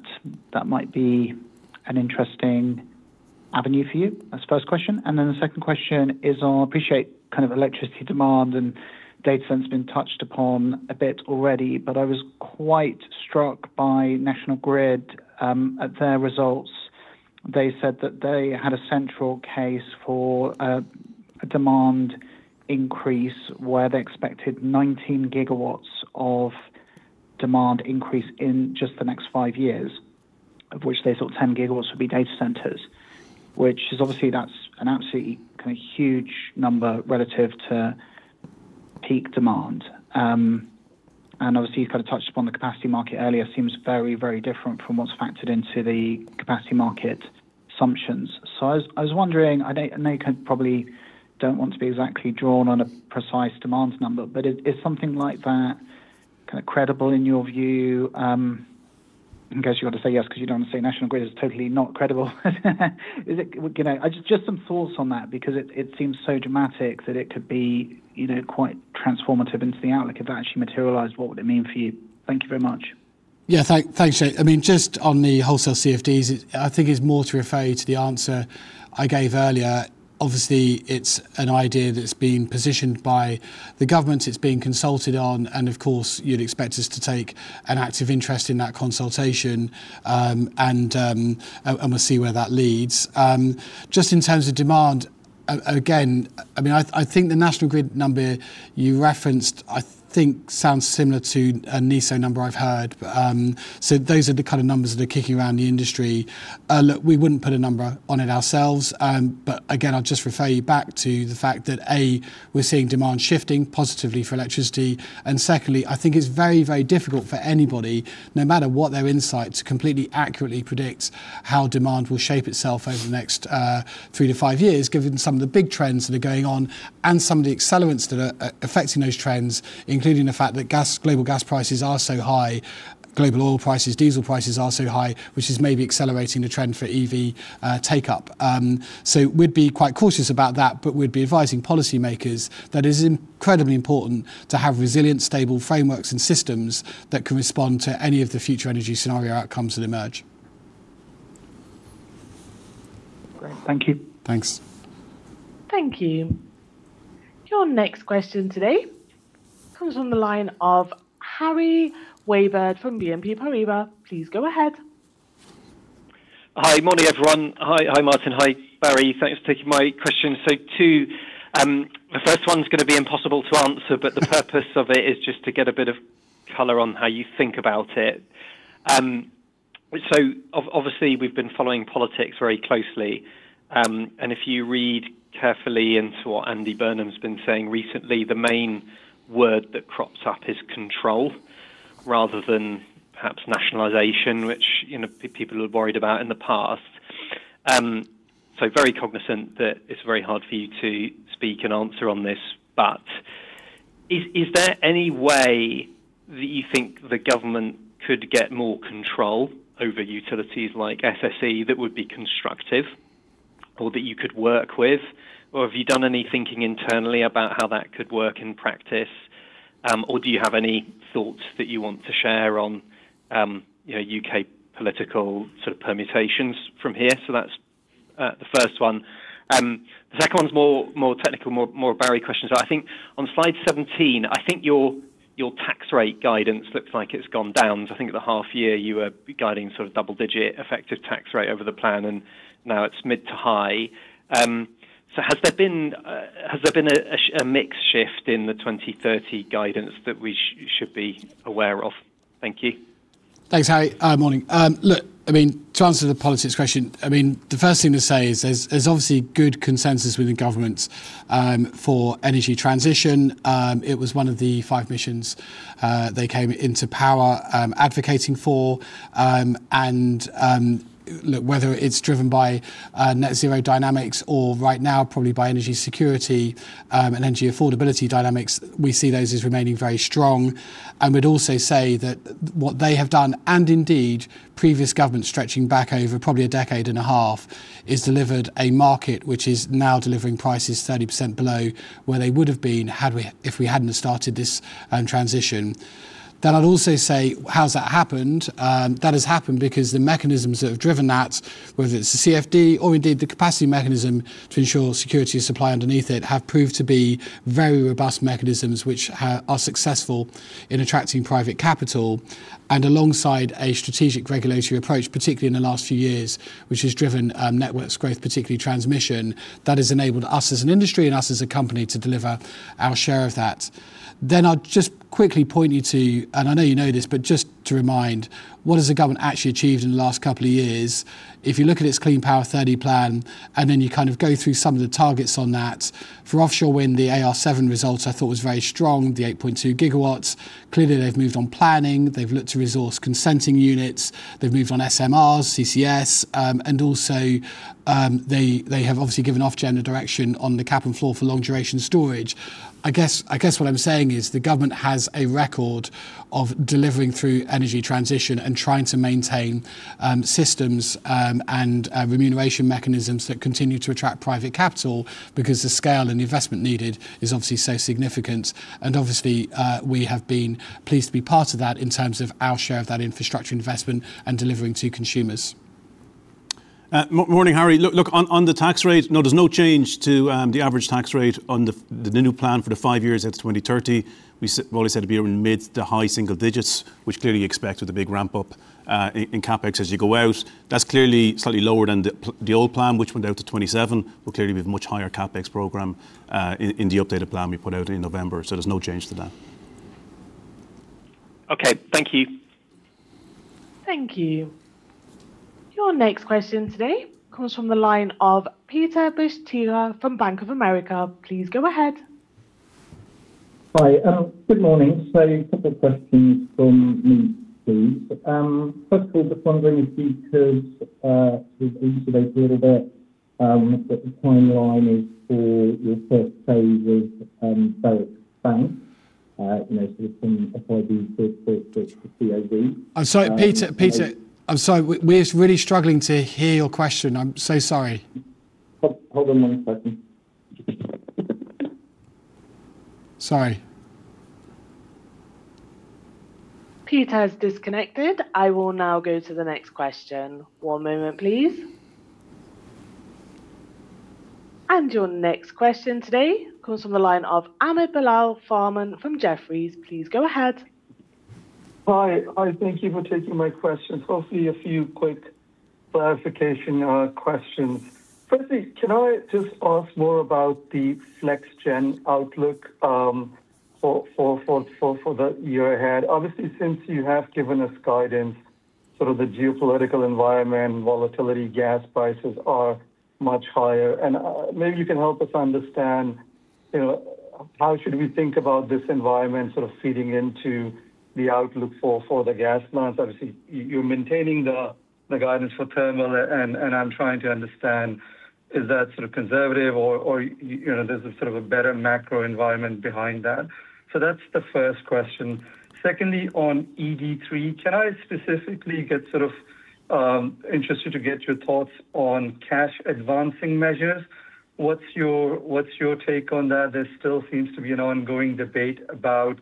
that might be an interesting avenue for you? That's the first question. The second question is on, I appreciate electricity demand and data centers being touched upon a bit already, but I was quite struck by National Grid at their results. They said that they had a central case for a demand increase where they expected 19 GW of demand increase in just the next five years, of which they thought 10 GW would be data centers, which is obviously, that's an absolutely huge number relative to peak demand. Obviously, you touched upon the capacity market earlier, seems very different from what's factored into the capacity market assumptions. I was wondering, I know you probably don't want to be exactly drawn on a precise demand number, is something like that credible in your view? I guess you've got to say yes, because you don't want to say National Grid is totally not credible. Just some thoughts on that, because it seems so dramatic that it could be quite transformative into the outlook if that actually materialized. What would it mean for you? Thank you very much. Yeah, thanks. Just on the wholesale CfDs, I think it's more to refer you to the answer I gave earlier. Obviously, it's an idea that's being positioned by the government. It's being consulted on, and of course, you'd expect us to take an active interest in that consultation. We'll see where that leads. Just in terms of demand, again, I think the National Grid number you referenced, I think sounds similar to a NESO number I've heard. Those are the kind of numbers that are kicking around the industry. Look, we wouldn't put a number on it ourselves. Again, I'll just refer you back to the fact that, A, we're seeing demand shifting positively for electricity, and secondly, I think it is very difficult for anybody, no matter what their insights, to completely accurately predict how demand will shape itself over the next three to five years, given some of the big trends that are going on and some of the accelerants that are affecting those trends, including the fact that global gas prices are so high, global oil prices, diesel prices are so high, which is maybe accelerating the trend for EV take-up. We'd be quite cautious about that, but we'd be advising policymakers that it is incredibly important to have resilient, stable frameworks and systems that can respond to any of the future energy scenario outcomes that emerge. Great. Thank you. Thanks. Thank you. Your next question today comes from the line of Harry Wyburd from BNP Paribas. Please go ahead. Hi. Morning, everyone. Hi, Martin. Hi, Barry. Thanks for taking my question. Two, the first one's going to be impossible to answer, but the purpose of it is just to get a bit of color on how you think about it. Obviously, we've been following politics very closely. If you read carefully into what Andy Burnham's been saying recently, the main word that crops up is control, rather than perhaps nationalization, which people are worried about in the past. Very cognizant that it's very hard for you to speak and answer on this, but is there any way that you think the government could get more control over utilities like SSE that would be constructive or that you could work with? Have you done any thinking internally about how that could work in practice? Do you have any thoughts that you want to share on U.K. political permutations from here? That's the first one. The second one's more technical, more a Barry question. I think on slide 17, I think your tax rate guidance looks like it's gone down. I think at the half year, you were guiding double-digit effective tax rate over the plan, and now it's mid to high. Has there been a mix shift in the 2030 guidance that we should be aware of? Thank you. Thanks, Harry. Morning. Look, to answer the politics question, the first thing to say is there's obviously good consensus within government for energy transition. It was one of the five missions they came into power advocating for, look, whether it's driven by net zero dynamics or right now probably by energy security and energy affordability dynamics, we see those as remaining very strong. We'd also say that what they have done, and indeed previous governments stretching back over probably a decade and a half, is delivered a market which is now delivering prices 30% below where they would have been if we hadn't have started this transition. I'd also say, how has that happened? That has happened because the mechanisms that have driven that, whether it's the CfD or indeed the capacity mechanism to ensure security of supply underneath it, have proved to be very robust mechanisms which are successful in attracting private capital, and alongside a strategic regulatory approach, particularly in the last few years, which has driven Networks growth, particularly Transmission, that has enabled us as an industry and us as a company to deliver our share of that. I'll just quickly point you to, and I know you know this, but just to remind, what has the government actually achieved in the last couple of years? If you look at its Clean Power 2030 plan, and then you go through some of the targets on that. For offshore wind, the AR7 results I thought was very strong, the 8.2 GW. Clearly, they've moved on planning. They've looked to resource consenting units. They've moved on SMRs, CCS, and also, they have obviously given Ofgem the direction on the Cap and Floor for long-duration storage. I guess what I'm saying is the government has a record of delivering through energy transition and trying to maintain systems and remuneration mechanisms that continue to attract private capital, because the scale and investment needed is obviously so significant. Obviously, we have been pleased to be part of that in terms of our share of that infrastructure investment and delivering to consumers. Morning, Harry. On the tax rate, there's no change to the average tax rate on the new plan for the five years, that's 2030. We've always said it'd be around mid to high single digits, which clearly you expect with the big ramp up in CapEx as you go out. That's clearly slightly lower than the old plan, which went out to 2027, clearly with much higher CapEx program, in the updated plan we put out in November. There's no change to that. Okay. Thank you. Thank you. Your next question today comes from the line of Peter Bisztyga from Bank of America. Please go ahead. Hi, good morning. A couple of questions from me, please. First of all, just wondering if you could sort of elucidate a little bit, what the timeline is for your first phase with Berwick Bank, sort of from FID to COD. I'm sorry, Peter. I'm sorry. We're just really struggling to hear your question. I'm so sorry. Hold on one second. Sorry. Peter has disconnected. I will now go to the next question. One moment, please. Your next question today comes from the line of Ahmed Farman from Jefferies. Please go ahead. Hi. Thank you for taking my question. Hopefully a few quick clarification questions. Firstly, can I just ask more about the FlexGen outlook, for the year ahead? Obviously, since you have given us guidance, sort of the geopolitical environment, volatility, gas prices are much higher. Maybe you can help us understand how should we think about this environment sort of feeding into the outlook for the gas markets. Obviously, you're maintaining the guidance for thermal, and I'm trying to understand, is that sort of conservative or there's a sort of a better macro environment behind that? That's the first question. Secondly, on ED3, can I specifically get sort of, interested to get your thoughts on cash advancing measures? What's your take on that? There still seems to be an ongoing debate about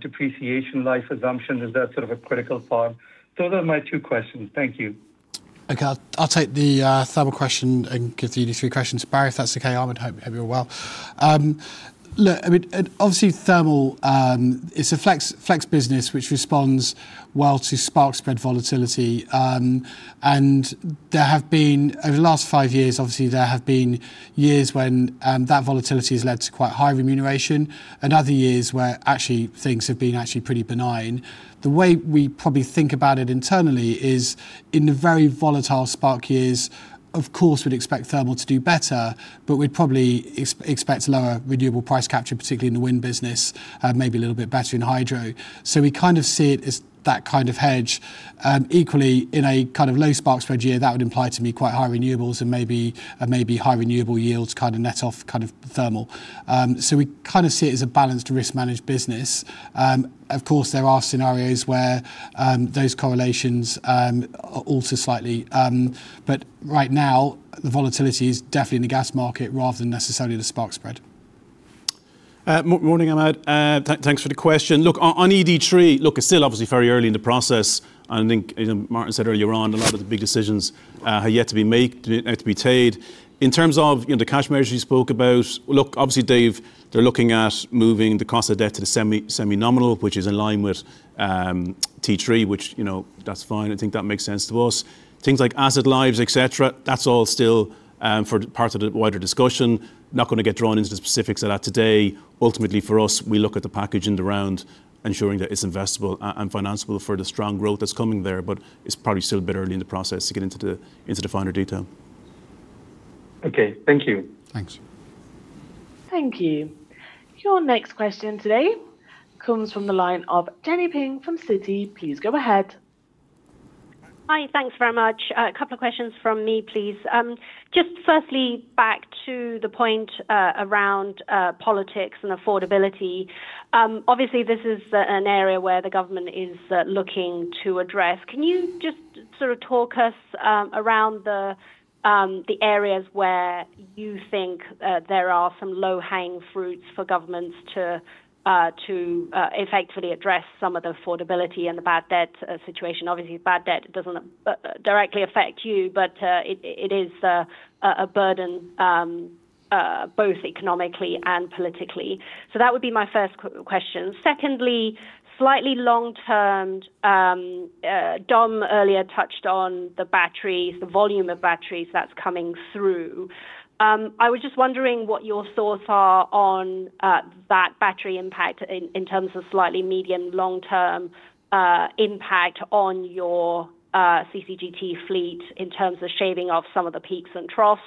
depreciation life assumption. Is that sort of a critical part? Those are my two questions. Thank you. Okay. I'll take the thermal question and give the ED3 question to Barry, if that's okay, Ahmed. I hope you're well. Look, I mean, obviously thermal, it's a flex business, which responds well to spark spread volatility. Over the last five years, obviously there have been years when that volatility has led to quite high remuneration, and other years where actually things have been actually pretty benign. The way we probably think about it internally is in the very volatile spark years, of course, we'd expect thermal to do better, but we'd probably expect lower renewable price capture, particularly in the wind business, maybe a little bit better in hydro. We kind of see it as that kind of hedge. Equally, in a kind of low spark spread year, that would imply to me quite high renewables and maybe high renewable yields kind of net off kind of thermal. We kind of see it as a balanced risk managed business. Of course, there are scenarios where those correlations alter slightly. Right now, the volatility is definitely in the gas market rather than necessarily the spark spread. Morning, Ahmed. Thanks for the question. On ED3, it's still obviously very early in the process, and I think Martin said earlier on, a lot of the big decisions have yet to be made, have yet to be taken. In terms of the cash measures you spoke about, obviously they're looking at moving the cost of debt to the semi-nominal, which is in line with RIIO-T3, which that's fine. I think that makes sense to us. Things like asset lives, et cetera, that's all still part of the wider discussion. Not going to get drawn into the specifics of that today. Ultimately for us, we look at the package in the round, ensuring that it's investable and financeable for the strong growth that's coming there. It's probably still a bit early in the process to get into the finer detail. Okay. Thank you. Thanks. Thank you. Your next question today comes from the line of Jenny Ping from Citi. Please go ahead. Hi. Thanks very much. A couple of questions from me, please. Firstly, back to the point around politics and affordability. Obviously, this is an area where the government is looking to address. Can you just sort of talk us around the areas where you think there are some low-hanging fruits for governments to effectively address some of the affordability and the bad debt situation? Obviously, bad debt doesn't directly affect you, but it is a burden both economically and politically. That would be my first question. Secondly, slightly long-term, Dom earlier touched on the batteries, the volume of batteries that's coming through. I was just wondering what your thoughts are on that battery impact in terms of slightly medium, long-term impact on your CCGT fleet in terms of shaving off some of the peaks and troughs,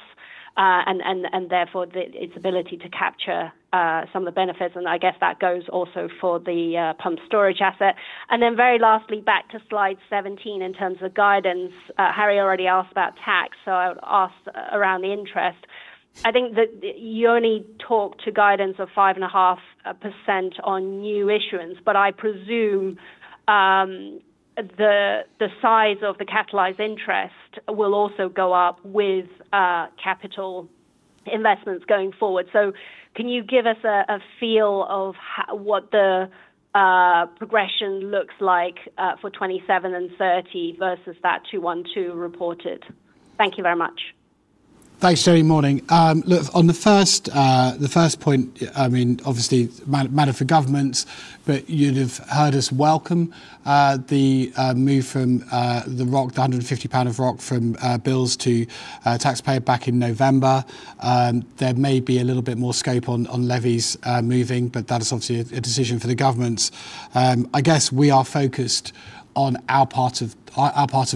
and therefore its ability to capture some of the benefits. I guess that goes also for the pump storage asset. Then very lastly, back to slide 17 in terms of guidance. Harry already asked about tax, so I would ask around the interest. I think that you only talked to guidance of 5.5% on new issuance, but I presume the size of the capitalized interest will also go up with capital investments going forward. So can you give us a feel of what the progression looks like for 2027 and 2030 versus that 212 reported? Thank you very much. Thanks, Jenny. Morning. Look, on the first point, obviously matter for government, but you'd have heard us welcome the move from the 150 pound of ROC from bills to taxpayer back in November. There may be a little bit more scope on levies moving, but that is obviously a decision for the government. I guess we are focused on our part of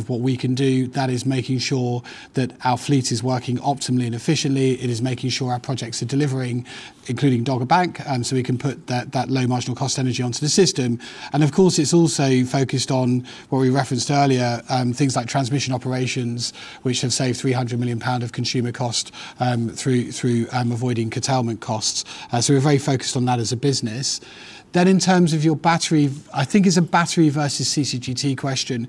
what we can do. That is making sure that our fleet is working optimally and efficiently. It is making sure our projects are delivering, including Dogger Bank, so we can put that low marginal cost energy onto the system. Of course, it's also focused on what we referenced earlier, things like Transmission operations, which have saved 300 million pounds of consumer cost through avoiding curtailment costs. We're very focused on that as a business. In terms of your battery, I think it's a battery versus CCGT question.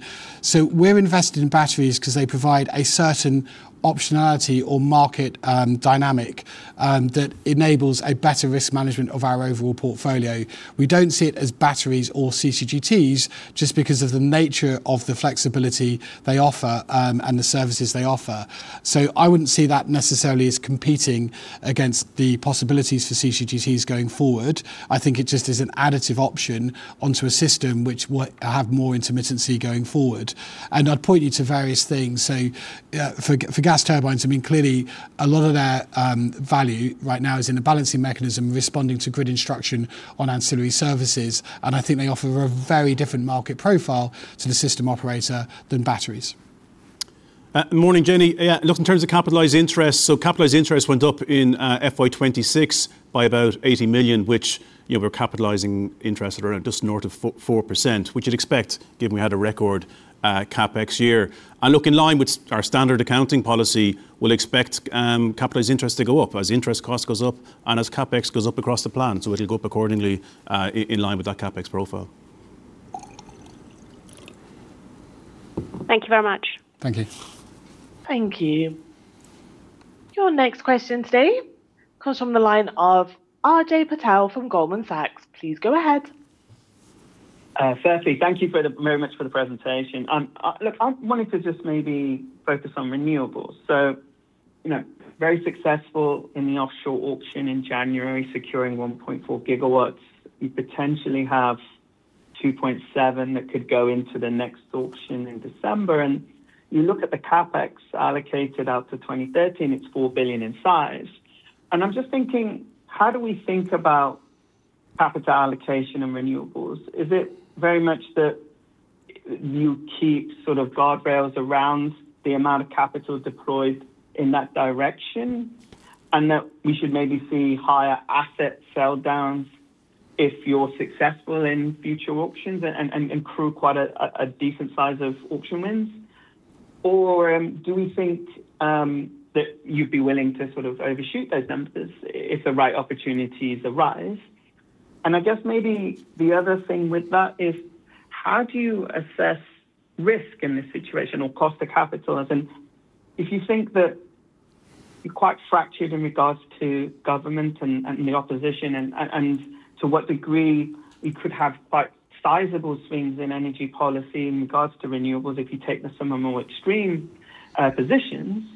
We're invested in batteries because they provide a certain optionality or market dynamic that enables a better risk management of our overall portfolio. We don't see it as batteries or CCGTs just because of the nature of the flexibility they offer and the services they offer. I wouldn't see that necessarily as competing against the possibilities for CCGTs going forward. I think it just is an additive option onto a system which will have more intermittency going forward. I'd point you to various things. For gas turbines, clearly a lot of their value right now is in the balancing mechanism, responding to grid instruction on ancillary services, and I think they offer a very different market profile to the system operator than batteries. Morning, Jenny. In terms of capitalized interest, capitalized interest went up in FY 2026 by about 80 million, which we're capitalizing interest at around just north of 4%, which you'd expect given we had a record CapEx year. In line with our standard accounting policy, we'll expect capitalized interest to go up as interest cost goes up and as CapEx goes up across the plan. It'll go up accordingly, in line with that CapEx profile. Thank you very much. Thank you. Thank you. Your next question today comes from the line of Ajay Patel from Goldman Sachs. Please go ahead. Fairly. Thank you very much for the presentation. I'm wanting to just maybe focus on Renewables. Very successful in the offshore auction in January, securing 1.4 GW. You potentially have 2.7 GW that could go into the next auction in December. You look at the CapEx allocated out to 2030, and it's 4 billion in size. I'm just thinking, how do we think about capital allocation and renewables? Is it very much that you keep sort of guardrails around the amount of capital deployed in that direction, and that we should maybe see higher asset sell downs if you're successful in future auctions and accrue quite a decent size of auction wins? Do we think that you'd be willing to sort of overshoot those numbers if the right opportunities arise? I guess maybe the other thing with that is, how do you assess risk in this situation or cost of capital? As in, if you think that you're quite fractured in regards to government and the opposition, and to what degree we could have quite sizable swings in energy policy in regards to Renewables if you take the some of more extreme positions,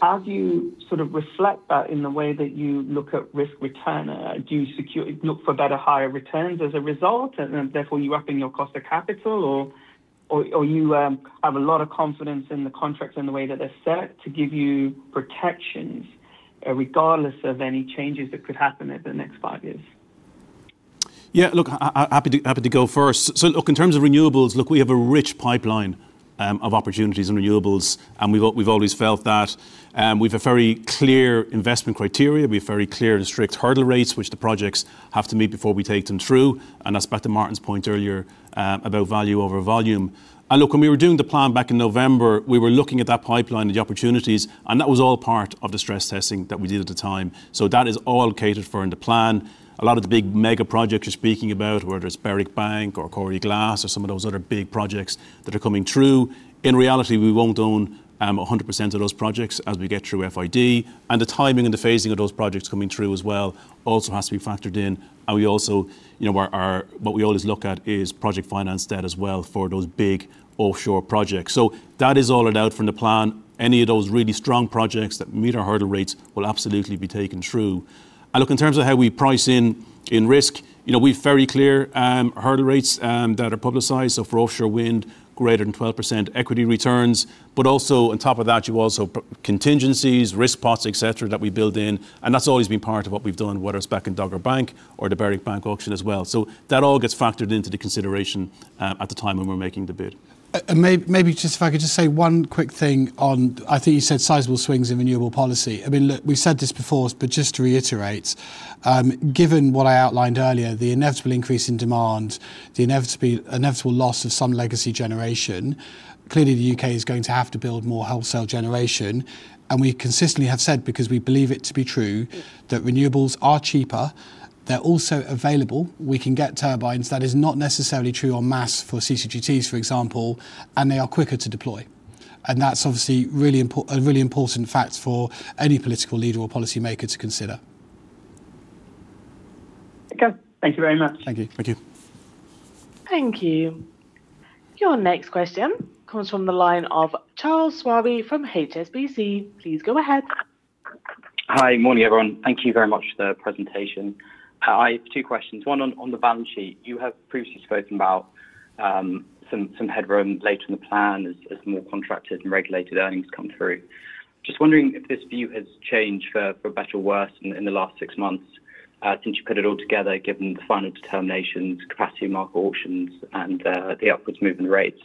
how do you sort of reflect that in the way that you look at risk return? Do you look for better, higher returns as a result, and therefore you're upping your cost of capital, or you have a lot of confidence in the contracts and the way that they're set to give you protections regardless of any changes that could happen over the next five years? Yeah, look, happy to go first. Look, in terms of Renewables, look, we have a rich pipeline of opportunities in Renewables, and we've always felt that. We've a very clear investment criteria. We have very clear and strict hurdle rates, which the projects have to meet before we take them through. As back to Martin's point earlier about value over volume. Look, when we were doing the plan back in November, we were looking at that pipeline and the opportunities, and that was all part of the stress testing that we did at the time. That is all catered for in the plan. A lot of the big mega projects you're speaking about, whether it's Berwick Bank or Coire Glas or some of those other big projects that are coming through, in reality, we won't own 100% of those projects as we get through FID. The timing and the phasing of those projects coming through as well also has to be factored in. What we always look at is project finance debt as well for those big offshore projects. That is all laid out from the plan. Any of those really strong projects that meet our hurdle rates will absolutely be taken through. Look, in terms of how we price in risk, we have very clear hurdle rates that are publicized. For offshore wind, greater than 12% equity returns. Also on top of that, you also put contingencies, risk pots, et cetera, that we build in, and that's always been part of what we've done, whether it's back in Dogger Bank or the Berwick Bank auction as well. That all gets factored into the consideration at the time when we're making the bid. Maybe just if I could just say one quick thing on, I think you said sizable swings in renewable policy. Look, we've said this before, but just to reiterate, given what I outlined earlier, the inevitable increase in demand, the inevitable loss of some legacy generation, clearly the U.K. is going to have to build more wholesale generation. We consistently have said, because we believe it to be true, that renewables are cheaper. They're also available. We can get turbines. That is not necessarily true on mass for CCGTs, for example, and they are quicker to deploy. That's obviously a really important fact for any political leader or policy maker to consider. Okay. Thank you very much. Thank you. Thank you. Your next question comes from the line of Charles Swabey from HSBC. Please go ahead. Hi. Morning, everyone. Thank you very much for the presentation. I have two questions, one on the balance sheet. You have previously spoken about some headroom later in the plan as more contracted and regulated earnings come through. Just wondering if this view has changed for better or worse in the last six months since you put it all together, given the final determinations, capacity market auctions, and the upwards movement rates.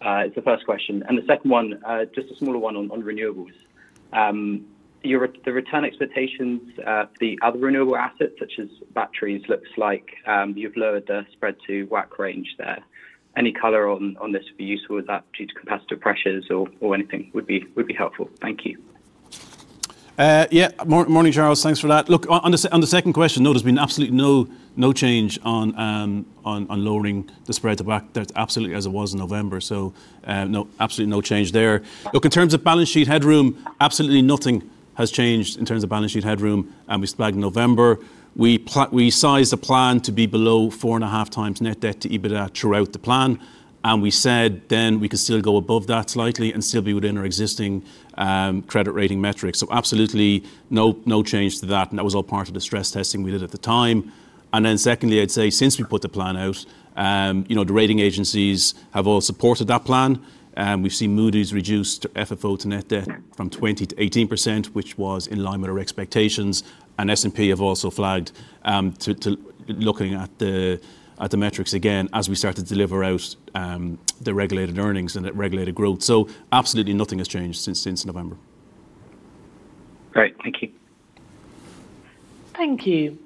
It's the first question. The second one, just a smaller one on Renewables. The return expectations for the other renewable assets, such as batteries, looks like you've lowered the spread to WACC range there. Any color on this would be useful. Is that due to competitive pressures or anything would be helpful. Thank you. Morning, Charles. Thanks for that. On the second question, no, there's been absolutely no change on lowering the spread to WACC. That's absolutely as it was in November. Absolutely no change there. In terms of balance sheet headroom, absolutely nothing has changed in terms of balance sheet headroom. We flagged November. We sized the plan to be below 4.5x net debt to EBITDA throughout the plan, we said then we could still go above that slightly and still be within our existing credit rating metrics. Absolutely no change to that. That was all part of the stress testing we did at the time. Secondly, I'd say since we put the plan out, the rating agencies have all supported that plan. We've seen Moody's reduce FFO to net debt from 20% to 18%, which was in line with our expectations. S&P have also flagged to looking at the metrics again as we start to deliver out the regulated earnings and the regulated growth. Absolutely nothing has changed since November. Great. Thank you. Thank you.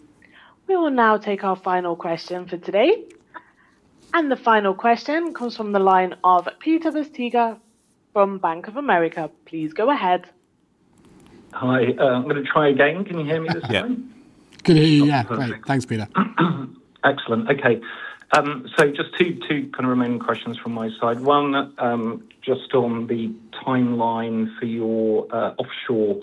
We will now take our final question for today. The final question comes from the line of Peter Bisztyga from Bank of America. Please go ahead. Hi. I'm going to try again. Can you hear me this time? Yeah. Can hear you now. Perfect. Great. Thanks, Peter. Excellent. Okay. Just two remaining questions from my side. One, just on the timeline for your offshore wind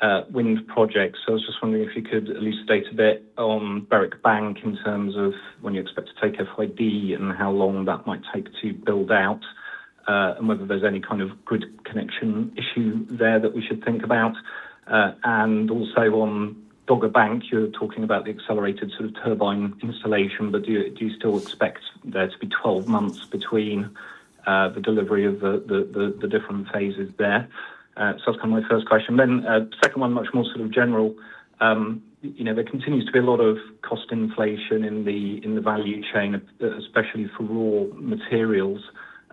projects. I was just wondering if you could elucidate a bit on Berwick Bank in terms of when you expect to take FID and how long that might take to build out, and whether there's any kind of grid connection issue there that we should think about. Also on Dogger Bank, you're talking about the accelerated turbine installation. Do you still expect there to be 12 months between the delivery of the different phases there? That's kind of my first question. Second one, much more sort of general. There continues to be a lot of cost inflation in the value chain, especially for raw materials.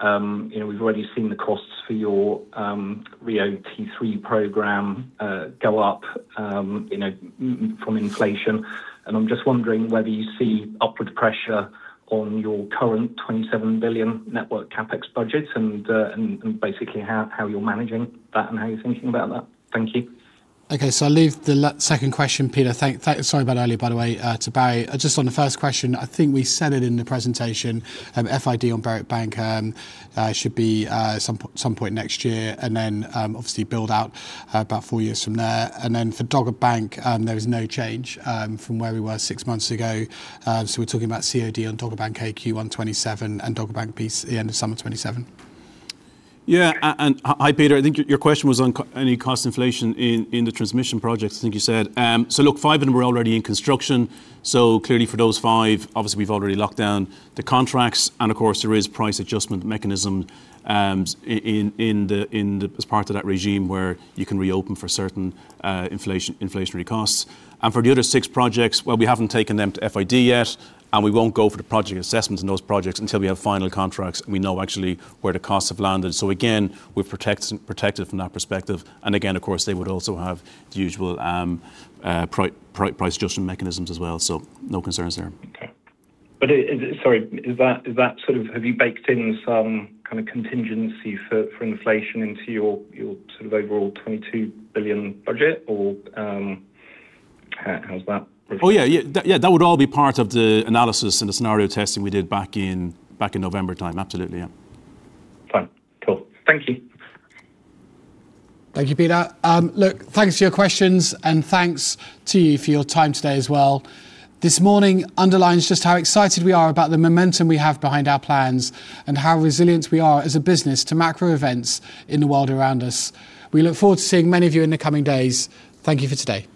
We've already seen the costs for your RIIO-T3 program go up from inflation. I'm just wondering whether you see upward pressure on your current 27 billion network CapEx budget and basically how you're managing that and how you're thinking about that. Thank you. Okay, I'll leave the second question, Peter. Sorry about earlier, by the way, to Barry. Just on the first question, I think we said it in the presentation, FID on Berwick Bank should be some point next year and then obviously build out about four years from there. Then for Dogger Bank, there is no change from where we were six months ago. We're talking about COD on Dogger Bank A Q1 2027 and Dogger Bank B the end of summer 2027. Hi, Peter. I think your question was on any cost inflation in the Transmission projects, I think you said. Look, five of them are already in construction. Clearly for those five, obviously, we've already locked down the contracts and of course there is price adjustment mechanism as part of that regime where you can reopen for certain inflationary costs. For the other six projects, well, we haven't taken them to FID yet, and we won't go for the project assessments in those projects until we have final contracts and we know actually where the costs have landed. Again, we're protected from that perspective. Again, of course, they would also have the usual price adjustment mechanisms as well. No concerns there. Okay. Sorry, have you baked in some kind of contingency for inflation into your sort of overall 22 billion budget? How's that? Yeah. That would all be part of the analysis and the scenario testing we did back in November time. Absolutely, yeah. Fine. Cool. Thank you. Thank you, Peter. Thanks for your questions and thanks to you for your time today as well. This morning underlines just how excited we are about the momentum we have behind our plans and how resilient we are as a business to macro events in the world around us. We look forward to seeing many of you in the coming days. Thank you for today.